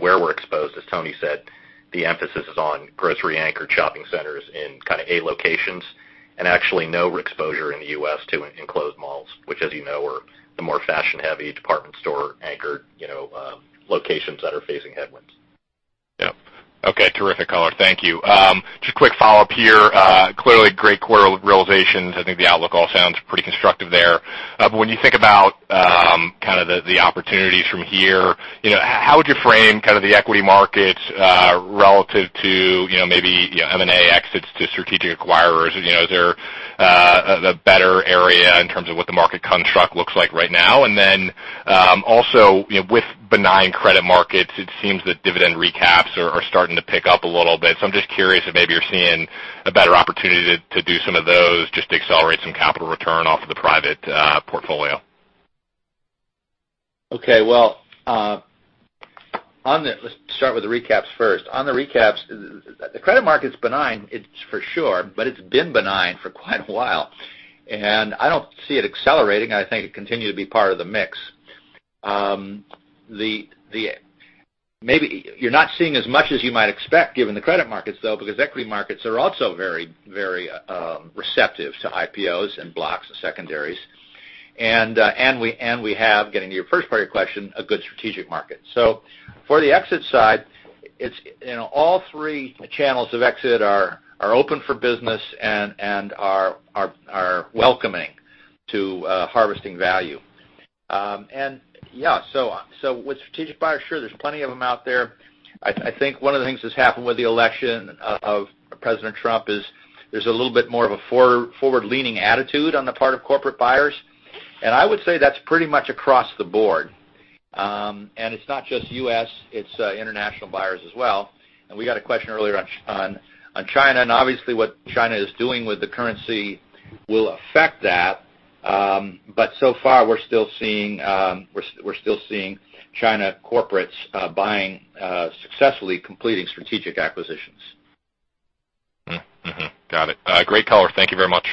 Where we're exposed, as Tony said, the emphasis is on grocery anchored shopping centers in kind of A locations and actually no exposure in the U.S. to enclosed malls, which, as you know, are the more fashion-heavy department store anchored locations that are facing headwinds. Yeah. Okay, terrific color. Thank you. Just quick follow-up here. Clearly great quarter realizations. I think the outlook all sounds pretty constructive there. When you think about kind of the opportunities from here, how would you frame kind of the equity markets relative to maybe M&A exits to strategic acquirers? Is there a better area in terms of what the market construct looks like right now? Also with benign credit markets, it seems that dividend recaps are starting to pick up a little bit. I'm just curious if maybe you're seeing a better opportunity to do some of those just to accelerate some capital return off of the private portfolio. Okay. Well, let's start with the recaps first. On the recaps, the credit market's benign, it's for sure, it's been benign for quite a while, and I don't see it accelerating. I think it'll continue to be part of the mix. You're not seeing as much as you might expect given the credit markets, though, because equity markets are also very receptive to IPOs and blocks and secondaries. We have, getting to your first part of your question, a good strategic market. For the exit side, all three channels of exit are open for business and are welcoming to harvesting value. With strategic buyers, sure, there's plenty of them out there. I think one of the things that's happened with the election of President Trump is there's a little bit more of a forward-leaning attitude on the part of corporate buyers, and I would say that's pretty much across the board. It's not just U.S., it's international buyers as well. We got a question earlier on China, and obviously what China is doing with the currency will affect that. So far, we're still seeing China corporates buying, successfully completing strategic acquisitions. Mm-hmm. Got it. Great color. Thank you very much.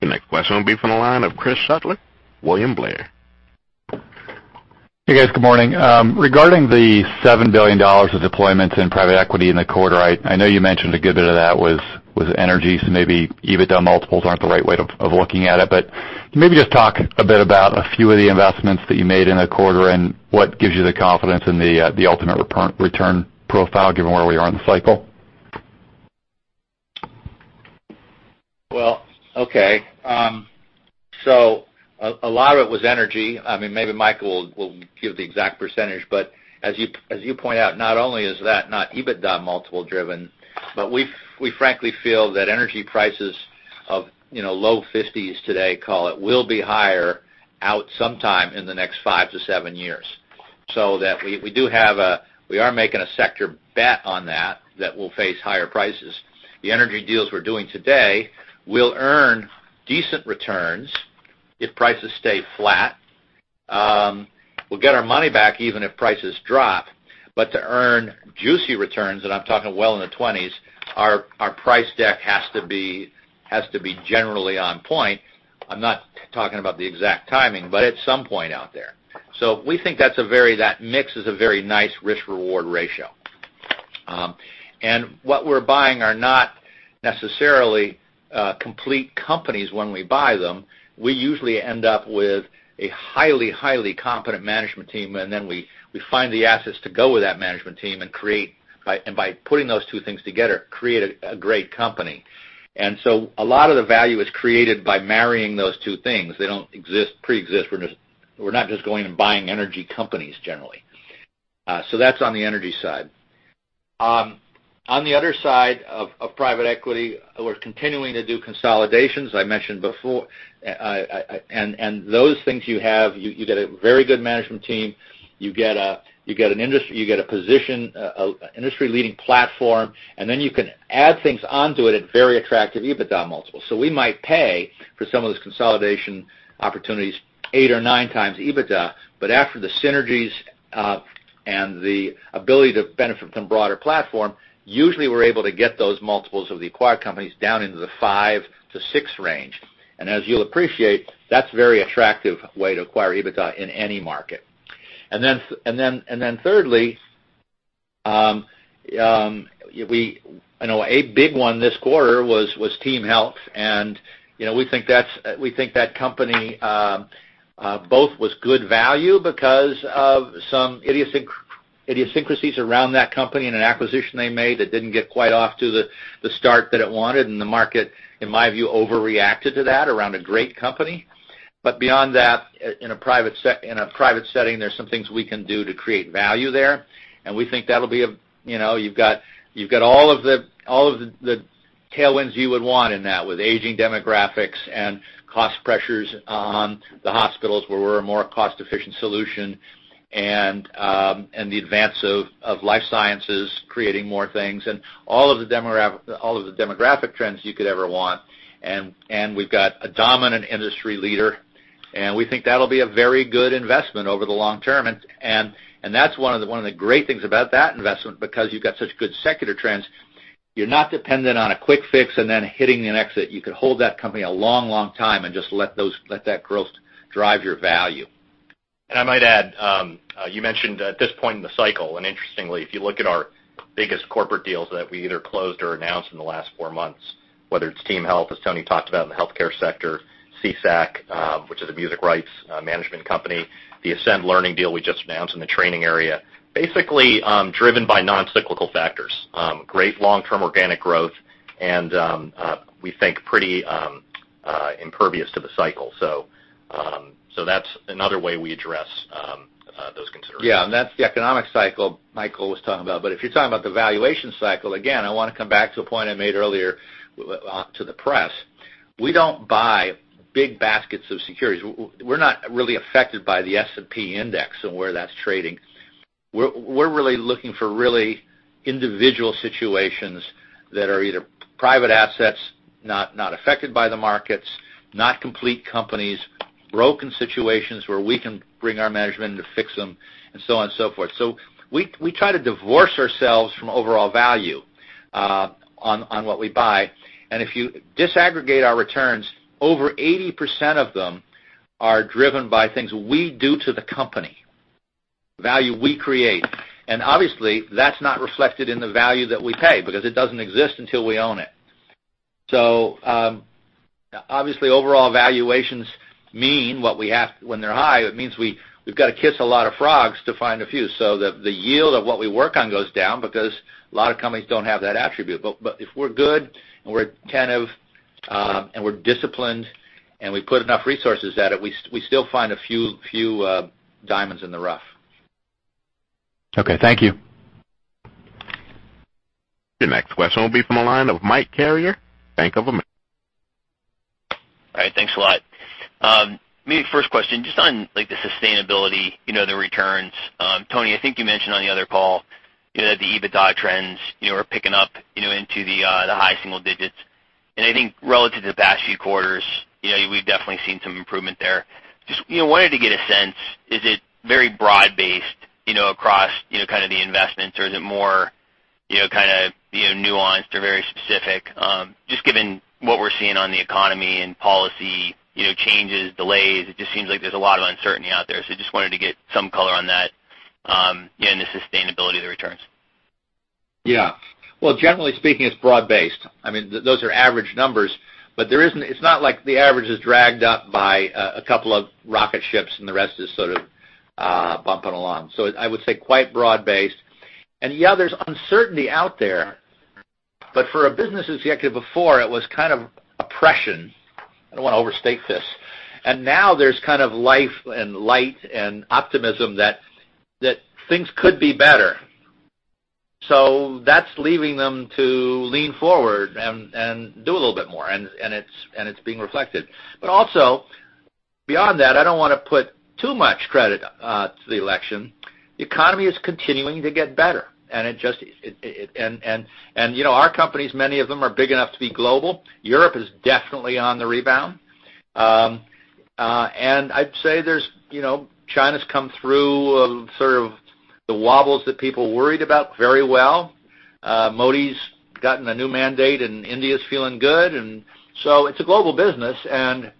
The next question will be from the line of Chris Shutler, William Blair. Hey, guys. Good morning. Regarding the $7 billion of deployments in private equity in the quarter, I know you mentioned a good bit of that was energy, so maybe EBITDA multiples aren't the right way of looking at it. Can you maybe just talk a bit about a few of the investments that you made in a quarter and what gives you the confidence in the ultimate return profile, given where we are in the cycle? Well, okay. A lot of it was energy. Maybe Michael will give the exact percentage, but as you point out, not only is that not EBITDA multiple driven, but we frankly feel that energy prices of low 50s today, call it, will be higher out sometime in the next five to seven years. That we are making a sector bet on that we'll face higher prices. The energy deals we're doing today will earn decent returns if prices stay flat. We'll get our money back even if prices drop. To earn juicy returns, and I'm talking well into 20s, our price deck has to be generally on point. I'm not talking about the exact timing, but at some point out there. We think that mix is a very nice risk-reward ratio. What we're buying are not necessarily complete companies when we buy them. We usually end up with a highly competent management team, then we find the assets to go with that management team, and by putting those two things together, create a great company. A lot of the value is created by marrying those two things. They don't preexist. We're not just going and buying energy companies generally. That's on the energy side. On the other side of private equity, we're continuing to do consolidations. I mentioned before, and those things you have, you get a very good management team. You get a position, an industry-leading platform, then you can add things onto it at very attractive EBITDA multiples. We might pay for some of those consolidation opportunities eight or nine times EBITDA, but after the synergies, and the ability to benefit from broader platform, usually we're able to get those multiples of the acquired companies down into the five to six range. As you'll appreciate, that's a very attractive way to acquire EBITDA in any market. Thirdly, a big one this quarter was TeamHealth, and we think that company, both was good value because of some idiosyncrasies around that company and an acquisition they made that didn't get quite off to the start that it wanted. The market, in my view, overreacted to that around a great company. Beyond that, in a private setting, there's some things we can do to create value there. We think that'll be. You've got all of the tailwinds you would want in that with aging demographics and cost pressures on the hospitals where we're a more cost-efficient solution, and the advance of life sciences creating more things, and all of the demographic trends you could ever want. We've got a dominant industry leader, and we think that'll be a very good investment over the long term. That's one of the great things about that investment, because you've got such good secular trends. You're not dependent on a quick fix, then hitting an exit. You could hold that company a long time and just let that growth drive your value. I might add, you mentioned at this point in the cycle, interestingly, if you look at our biggest corporate deals that we either closed or announced in the last four months, whether it's TeamHealth, as Tony talked about in the healthcare sector, SESAC, which is a music rights management company, the Ascend Learning deal we just announced in the training area, basically, driven by non-cyclical factors, great long-term organic growth, and we think pretty impervious to the cycle. That's another way we address those considerations. Yeah. That's the economic cycle Michael was talking about. If you're talking about the valuation cycle, again, I want to come back to a point I made earlier to the press. We don't buy big baskets of securities. We're not really affected by the S&P index and where that's trading. We're really looking for really individual situations that are either private assets, not affected by the markets, not complete companies, broken situations where we can bring our management in to fix them, and so on and so forth. We try to divorce ourselves from overall value, on what we buy. If you disaggregate our returns, over 80% of them are driven by things we do to the company, value we create. Obviously, that's not reflected in the value that we pay, because it doesn't exist until we own it. Obviously, overall valuations mean when they're high, it means we've got to kiss a lot of frogs to find a few. The yield of what we work on goes down because a lot of companies don't have that attribute. If we're good and we're disciplined and we put enough resources at it, we still find a few diamonds in the rough. Okay. Thank you. Your next question will be from the line of Mike Carrier, Bank of America. All right. Thanks a lot. Maybe first question, just on the sustainability, the returns. Tony, I think you mentioned on the other call that the EBITDA trends are picking up into the high single digits. I think relative to the past few quarters, we've definitely seen some improvement there. Just wanted to get a sense, is it very broad-based, across kind of the investments or is it more kind of nuanced or very specific? Just given what we're seeing on the economy and policy changes, delays, it just seems like there's a lot of uncertainty out there. Just wanted to get some color on that, and the sustainability of the returns. Yeah. Well, generally speaking, it's broad-based. Those are average numbers, but it's not like the average is dragged up by a couple of rocket ships and the rest is sort of bumping along. I would say quite broad-based. Yeah, there's uncertainty out there, but for a business executive before, it was kind of oppression. I don't want to overstate this. Now there's kind of life and light and optimism that things could be better. That's leaving them to lean forward and do a little bit more, and it's being reflected. Also, beyond that, I don't want to put too much credit to the election. The economy is continuing to get better, and our companies, many of them are big enough to be global. Europe is definitely on the rebound. I'd say China's come through sort of the wobbles that people worried about very well. Modi's gotten a new mandate, and India's feeling good. It's a global business, and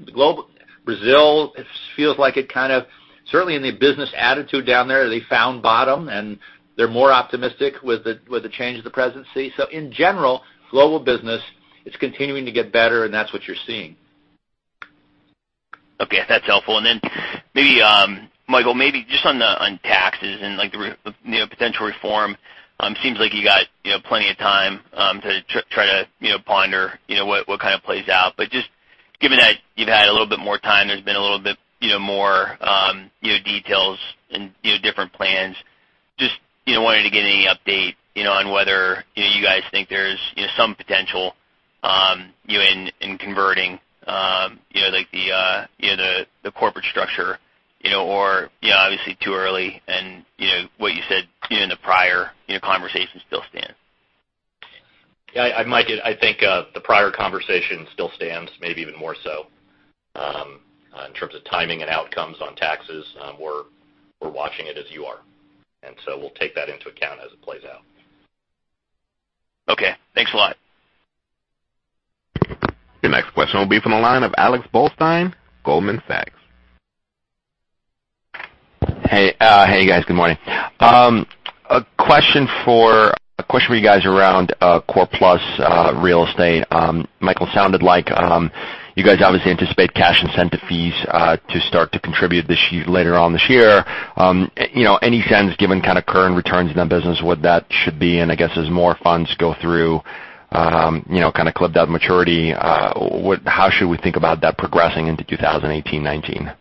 Brazil, it feels like it kind of Certainly in the business attitude down there, they found bottom, and they're more optimistic with the change of the presidency. In general, global business, it's continuing to get better, and that's what you're seeing. Okay. That's helpful. Then maybe, Michael, just on taxes and the potential reform, seems like you got plenty of time to try to ponder what kind of plays out. Given that you've had a little bit more time, there's been a little bit more details and different plans. Just wanted to get any update on whether you guys think there's some potential in converting the corporate structure, or obviously too early, and what you said in the prior conversation still stands? Yeah, Mike, I think the prior conversation still stands, maybe even more so. In terms of timing and outcomes on taxes, we're watching it as you are. So we'll take that into account as it plays out. Okay. Thanks a lot. Your next question will be from the line of Alex Blostein, Goldman Sachs. Hey, guys. Good morning. A question for you guys around Core Plus real estate. Michael, sounded like you guys obviously anticipate cash incentive fees to start to contribute later on this year. Any sense, given current returns in that business, what that should be? I guess as more funds go through clipped out maturity, how should we think about that progressing into 2018, 2019?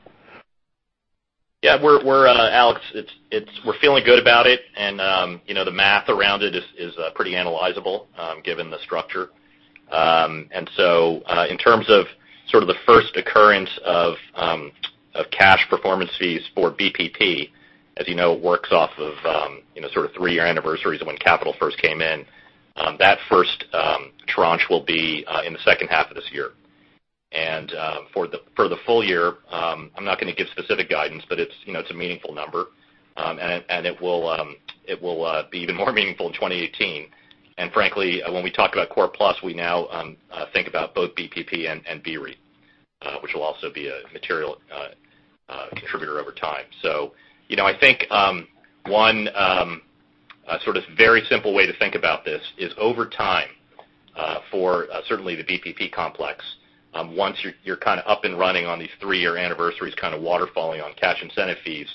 Alex Blostein, we're feeling good about it, the math around it is pretty analyzable given the structure. In terms of the first occurrence of cash performance fees for BPP, as you know, it works off of three-year anniversaries of when capital first came in. That first tranche will be in the second half of this year. For the full year, I'm not going to give specific guidance, but it's a meaningful number. It will be even more meaningful in 2018. Frankly, when we talk about Core Plus, we now think about both BPP and BREIT, which will also be a material contributor over time. I think one very simple way to think about this is over time, for certainly the BPP complex, once you're up and running on these three-year anniversaries kind of waterfalling on cash incentive fees,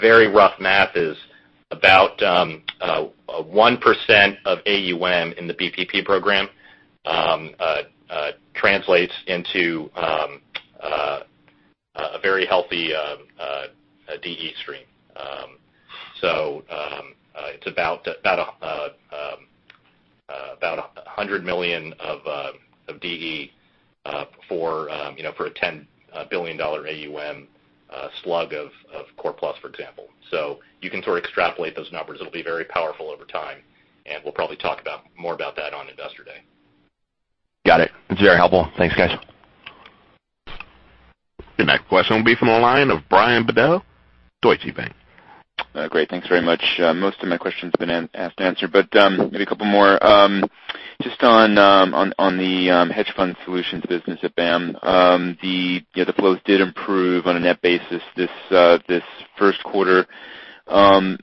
very rough math is about 1% of AUM in the BPP program translates into a very healthy DE stream. It's about $100 million of DE for a $10 billion AUM slug of Core Plus, for example. You can sort of extrapolate those numbers. It'll be very powerful over time, we'll probably talk more about that on Investor Day. Got it. It's very helpful. Thanks, guys. Your next question will be from the line of Brian Bedell, Deutsche Bank. Great. Thanks very much. Most of my questions have been answered but maybe a couple more. Just on the hedge fund solutions business at BAAM. The flows did improve on a net basis this first quarter.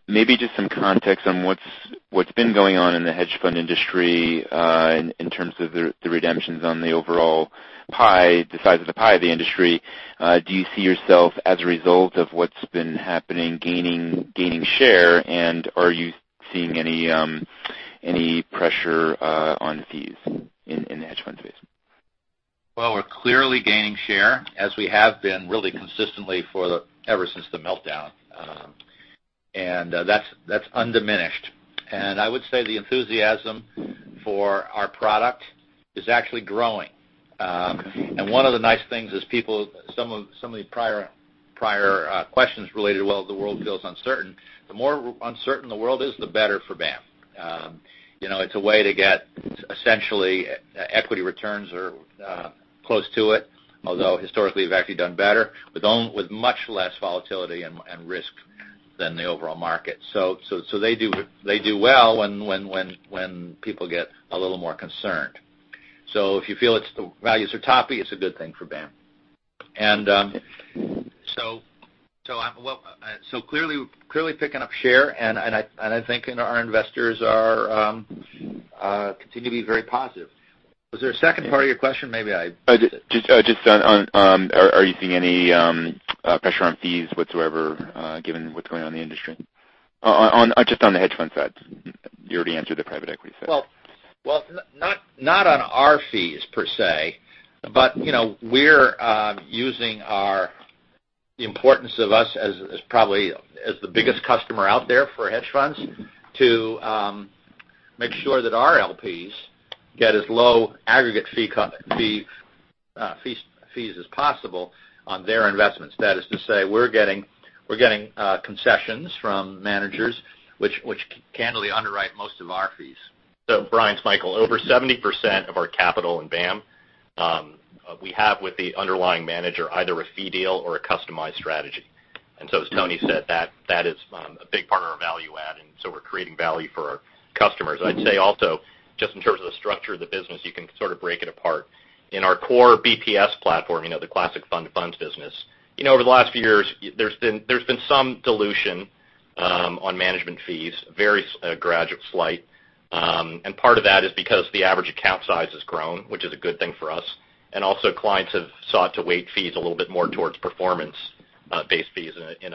Maybe just some context on what's been going on in the hedge fund industry in terms of the redemptions on the overall pie, the size of the pie of the industry. Do you see yourself as a result of what's been happening gaining share, and are you seeing any pressure on fees in the hedge fund space? Well, we're clearly gaining share as we have been really consistently ever since the meltdown. That's undiminished. I would say the enthusiasm for our product is actually growing. One of the nice things is people, some of the prior questions related, well, the world feels uncertain. The more uncertain the world is, the better for BAAM. It's a way to get essentially equity returns or close to it, although historically we've actually done better, with much less volatility and risk than the overall market. They do well when people get a little more concerned. If you feel the values are toppy, it's a good thing for BAAM. Clearly picking up share, and I think our investors continue to be very positive. Was there a second part of your question? Maybe I missed it. Are you seeing any pressure on fees whatsoever given what's going on in the industry? Just on the hedge fund side. You already answered the private equity side. Well, not on our fees per se, but we're using the importance of us as probably the biggest customer out there for hedge funds to make sure that our LPs get as low aggregate fees as possible on their investments. That is to say, we're getting concessions from managers, which candidly underwrite most of our fees. Brian, it's Michael. Over 70% of our capital in BAAM, we have with the underlying manager either a fee deal or a customized strategy. As Tony said, that is a big part of our value add, so we're creating value for our customers. I'd say also, just in terms of the structure of the business, you can sort of break it apart. In our core BPS platform, the classic fund to funds business. Over the last few years, there's been some dilution on management fees, very gradual, slight. Part of that is because the average account size has grown, which is a good thing for us, and also clients have sought to weight fees a little bit more towards performance. Base fees in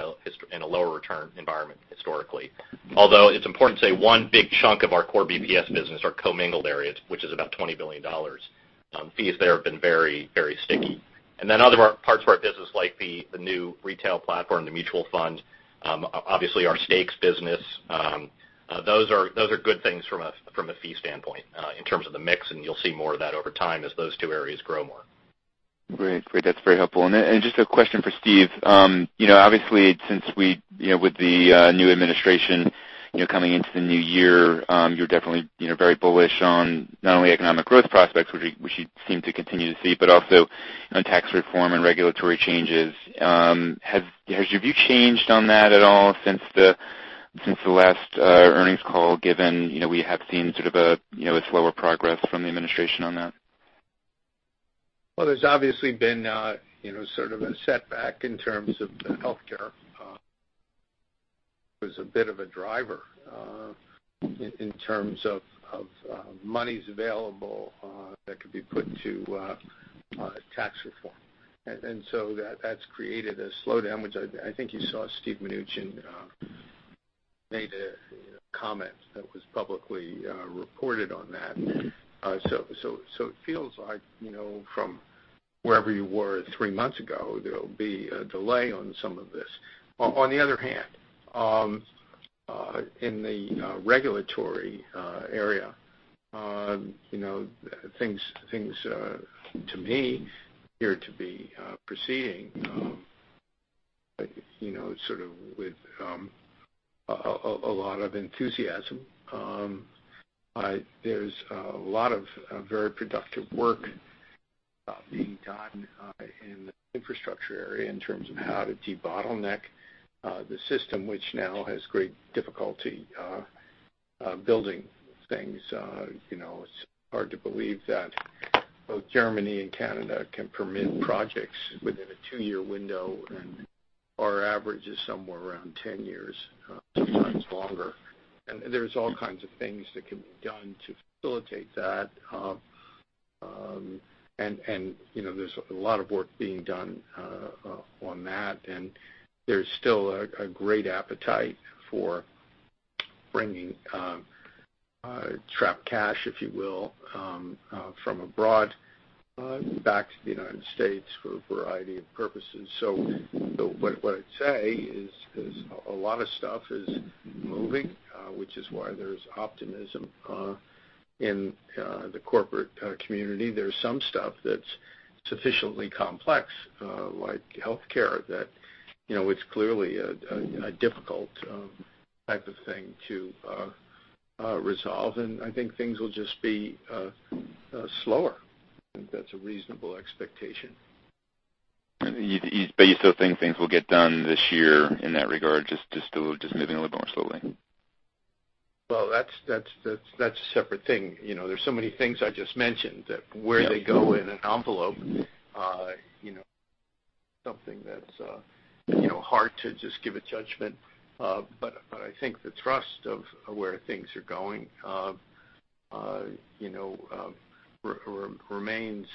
a lower return environment historically. Although it's important to say one big chunk of our core BPS business, our commingled areas, which is about $20 billion. Fees there have been very sticky. Then other parts of our business, like the new retail platform, the mutual fund, obviously our stakes business, those are good things from a fee standpoint in terms of the mix, and you'll see more of that over time as those two areas grow more. Great. That's very helpful. Just a question for Steve. Obviously, since with the new administration coming into the new year, you're definitely very bullish on not only economic growth prospects, which you seem to continue to see, but also on tax reform and regulatory changes. Has your view changed on that at all since the last earnings call, given we have seen sort of a slower progress from the administration on that? Well, there's obviously been sort of a setback in terms of the healthcare. It was a bit of a driver in terms of monies available that could be put to tax reform. That's created a slowdown, which I think you saw Steven Mnuchin made a comment that was publicly reported on that. It feels like from wherever you were three months ago, there'll be a delay on some of this. On the other hand, in the regulatory area, things, to me, appear to be proceeding sort of with a lot of enthusiasm. There's a lot of very productive work being done in the infrastructure area in terms of how to de-bottleneck the system, which now has great difficulty building things. It's hard to believe that both Germany and Canada can permit projects within a two-year window, and our average is somewhere around 10 years, sometimes longer. There's all kinds of things that can be done to facilitate that. There's a lot of work being done on that, and there's still a great appetite for bringing trapped cash, if you will, from abroad back to the U.S. for a variety of purposes. What I'd say is a lot of stuff is moving, which is why there's optimism in the corporate community. There's some stuff that's sufficiently complex, like healthcare, that it's clearly a difficult type of thing to resolve. I think things will just be slower. I think that's a reasonable expectation. You still think things will get done this year in that regard, just moving a little more slowly? Well, that's a separate thing. There's so many things I just mentioned that where they go in an envelope, something that's hard to just give a judgment. I think the thrust of where things are going remains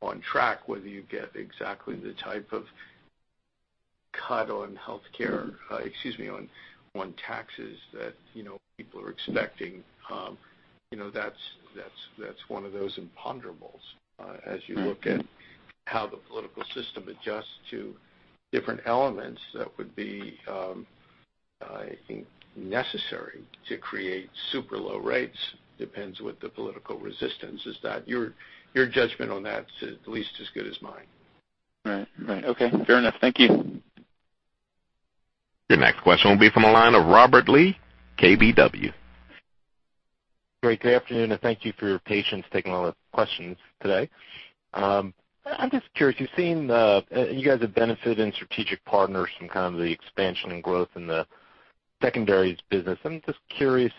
on track, whether you get exactly the type of cut on healthcare, excuse me, on taxes that people are expecting. That's one of those imponderables as you look at how the political system adjusts to different elements that would be, I think, necessary to create super low rates. Depends what the political resistance is that your judgment on that's at least as good as mine. Right. Okay, fair enough. Thank you. Your next question will be from the line of Robert Lee, KBW. Great. Good afternoon, thank you for your patience taking all the questions today. I'm just curious, you guys have benefited in Strategic Partners from kind of the expansion and growth in the secondaries business. I'm just curious,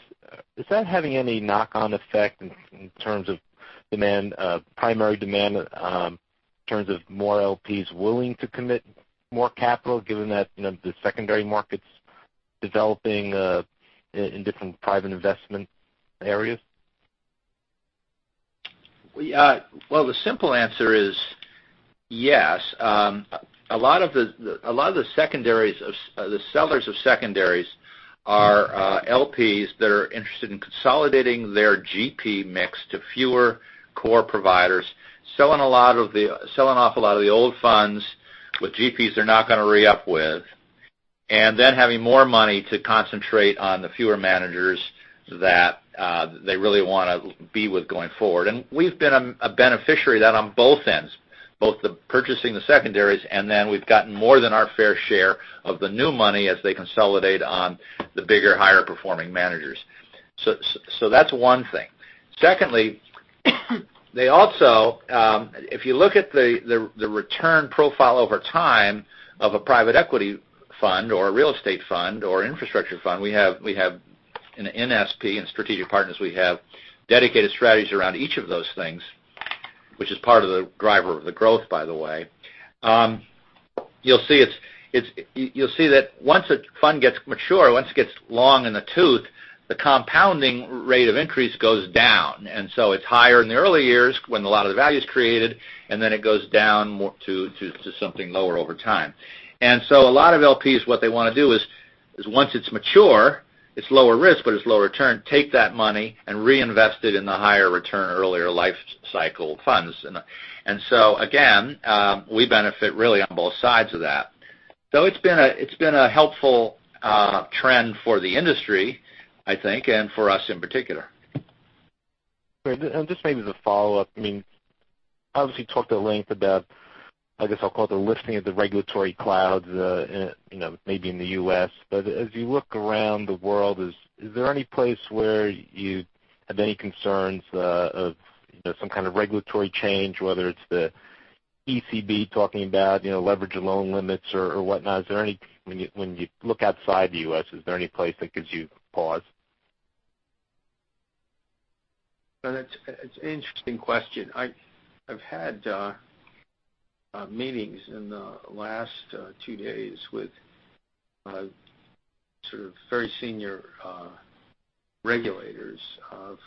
is that having any knock-on effect in terms of primary demand, in terms of more LPs willing to commit more capital given that the secondary market's developing in different private investment areas? Well, the simple answer is yes. A lot of the sellers of secondaries are LPs that are interested in consolidating their GP mix to fewer core providers, selling off a lot of the old funds with GPs they're not going to re-up with. Then having more money to concentrate on the fewer managers that they really want to be with going forward. We've been a beneficiary of that on both ends, both the purchasing the secondaries, then we've gotten more than our fair share of the new money as they consolidate on the bigger, higher performing managers. That's one thing. Secondly, they also, if you look at the return profile over time of a private equity fund or a real estate fund or infrastructure fund, we have in SP and Strategic Partners, we have dedicated strategies around each of those things, which is part of the driver of the growth, by the way. You'll see that once a fund gets mature, once it gets long in the tooth, the compounding rate of increase goes down. So it's higher in the early years when a lot of the value is created, then it goes down to something lower over time. So a lot of LPs, what they want to do is, once it's mature, it's lower risk, but it's low return, take that money and reinvest it in the higher return earlier life cycle funds. So again, we benefit really on both sides of that. It's been a helpful trend for the industry, I think, and for us in particular. Great. Just maybe as a follow-up, obviously you talked at length about, I guess I'll call it the lifting of the regulatory clouds, maybe in the U.S. As you look around the world, is there any place where you have any concerns of some kind of regulatory change, whether it's the ECB talking about leverage and loan limits or whatnot? When you look outside the U.S., is there any place that gives you pause? It's an interesting question. I've had meetings in the last two days with sort of very senior regulators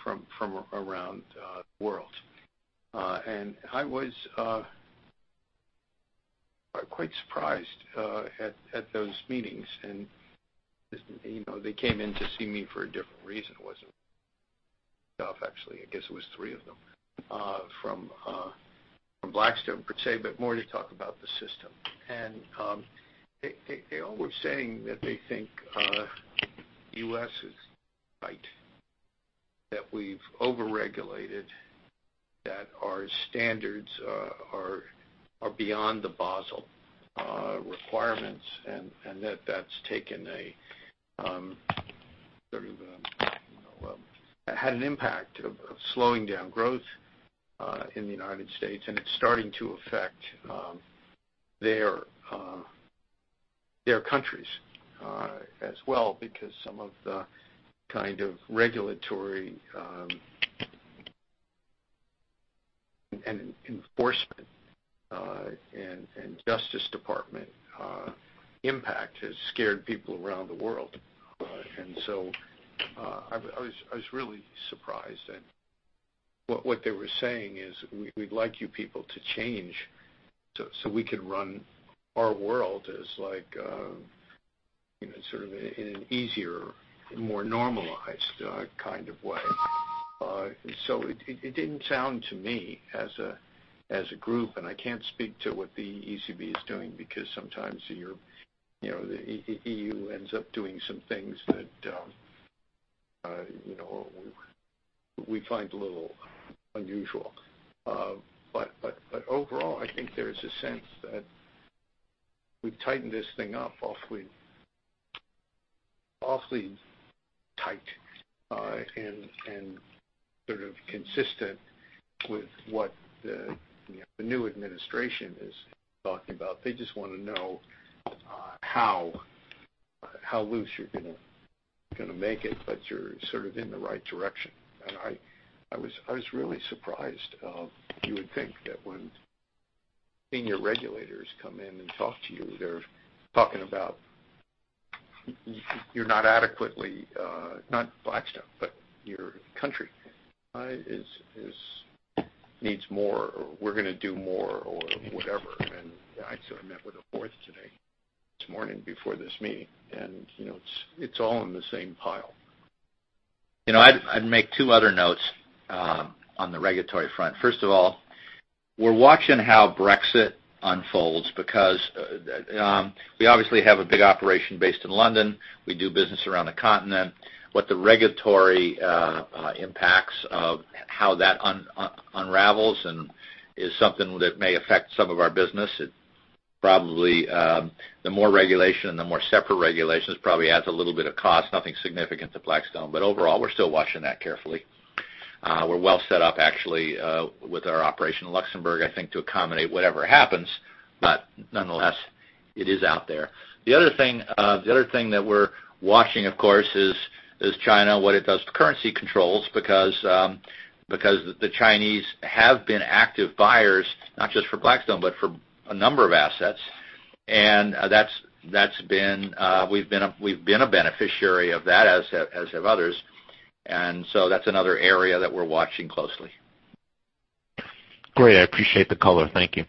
from around the world. I was quite surprised at those meetings. They came in to see me for a different reason. It wasn't stuff, actually. I guess it was three of them from Blackstone, per se, but more to talk about the system. They're always saying that they think the U.S. is right. That we've over-regulated, that our standards are beyond the Basel requirements, and that that's had an impact of slowing down growth in the United States, and it's starting to affect their countries as well because some of the kind of regulatory and enforcement and justice department impact has scared people around the world. I was really surprised. What they were saying is, "We'd like you people to change so we can run our world as like sort of in an easier, more normalized kind of way." It didn't sound to me as a group, and I can't speak to what the ECB is doing, because sometimes the EU ends up doing some things that we find a little unusual. Overall, I think there is a sense that we've tightened this thing up awfully tight and sort of consistent with what the new administration is talking about. They just want to know how loose you're going to make it, but you're sort of in the right direction. I was really surprised. You would think that when senior regulators come in and talk to you, they're talking about you're not adequately, not Blackstone, but your country needs more, or we're going to do more, or whatever. I sort of met with a fourth today, this morning before this meeting. It's all in the same pile. I'd make two other notes on the regulatory front. First of all, we're watching how Brexit unfolds because we obviously have a big operation based in London. We do business around the continent. What the regulatory impacts of how that unravels is something that may affect some of our business. Probably the more regulation and the more separate regulations probably adds a little bit of cost, nothing significant to Blackstone. Overall, we're still watching that carefully. We're well set up, actually, with our operation in Luxembourg, I think, to accommodate whatever happens. Nonetheless, it is out there. The other thing that we're watching, of course, is China, what it does to currency controls because the Chinese have been active buyers, not just for Blackstone, but for a number of assets. We've been a beneficiary of that, as have others. That's another area that we're watching closely. Great. I appreciate the color. Thank you.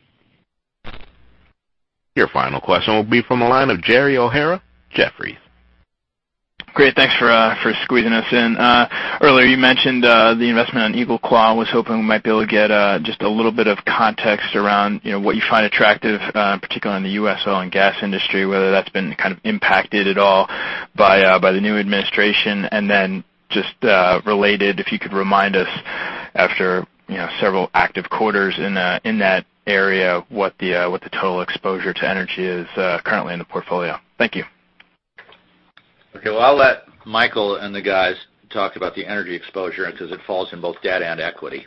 Your final question will be from the line of Gerald O'Hara, Jefferies. Great. Thanks for squeezing us in. Earlier you mentioned the investment on EagleClaw. Was hoping we might be able to get just a little bit of context around what you find attractive, particularly in the U.S. oil and gas industry, whether that's been kind of impacted at all by the new administration. Just related, if you could remind us after several active quarters in that area, what the total exposure to energy is currently in the portfolio. Thank you. Okay. Well, I'll let Michael and the guys talk about the energy exposure because it falls in both debt and equity.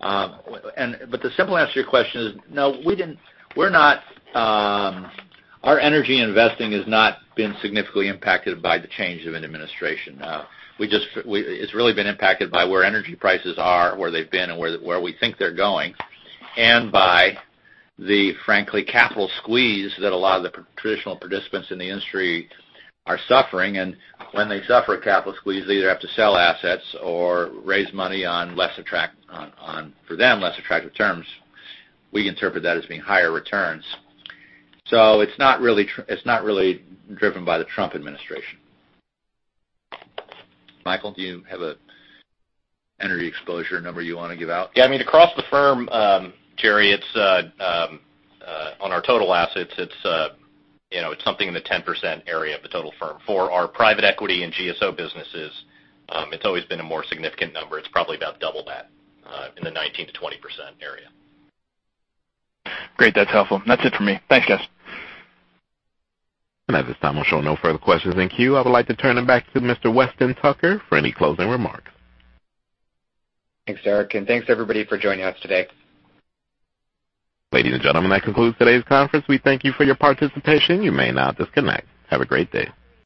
The simple answer to your question is, no, our energy investing has not been significantly impacted by the change of an administration. It's really been impacted by where energy prices are, where they've been, and where we think they're going, and by the, frankly, capital squeeze that a lot of the traditional participants in the industry are suffering. When they suffer a capital squeeze, they either have to sell assets or raise money on, for them, less attractive terms. We interpret that as being higher returns. It's not really driven by the Trump administration. Michael, do you have an energy exposure number you want to give out? Yeah. Across the firm, Jerry, on our total assets, it's something in the 10% area of the total firm. For our private equity and GSO businesses, it's always been a more significant number. It's probably about double that, in the 19%-20% area. Great. That's helpful. That's it for me. Thanks, guys. At this time, I'm showing no further questions in queue. I would like to turn it back to Mr. Weston Tucker for any closing remarks. Thanks, Eric, and thanks, everybody, for joining us today. Ladies and gentlemen, that concludes today's conference. We thank you for your participation. You may now disconnect. Have a great day.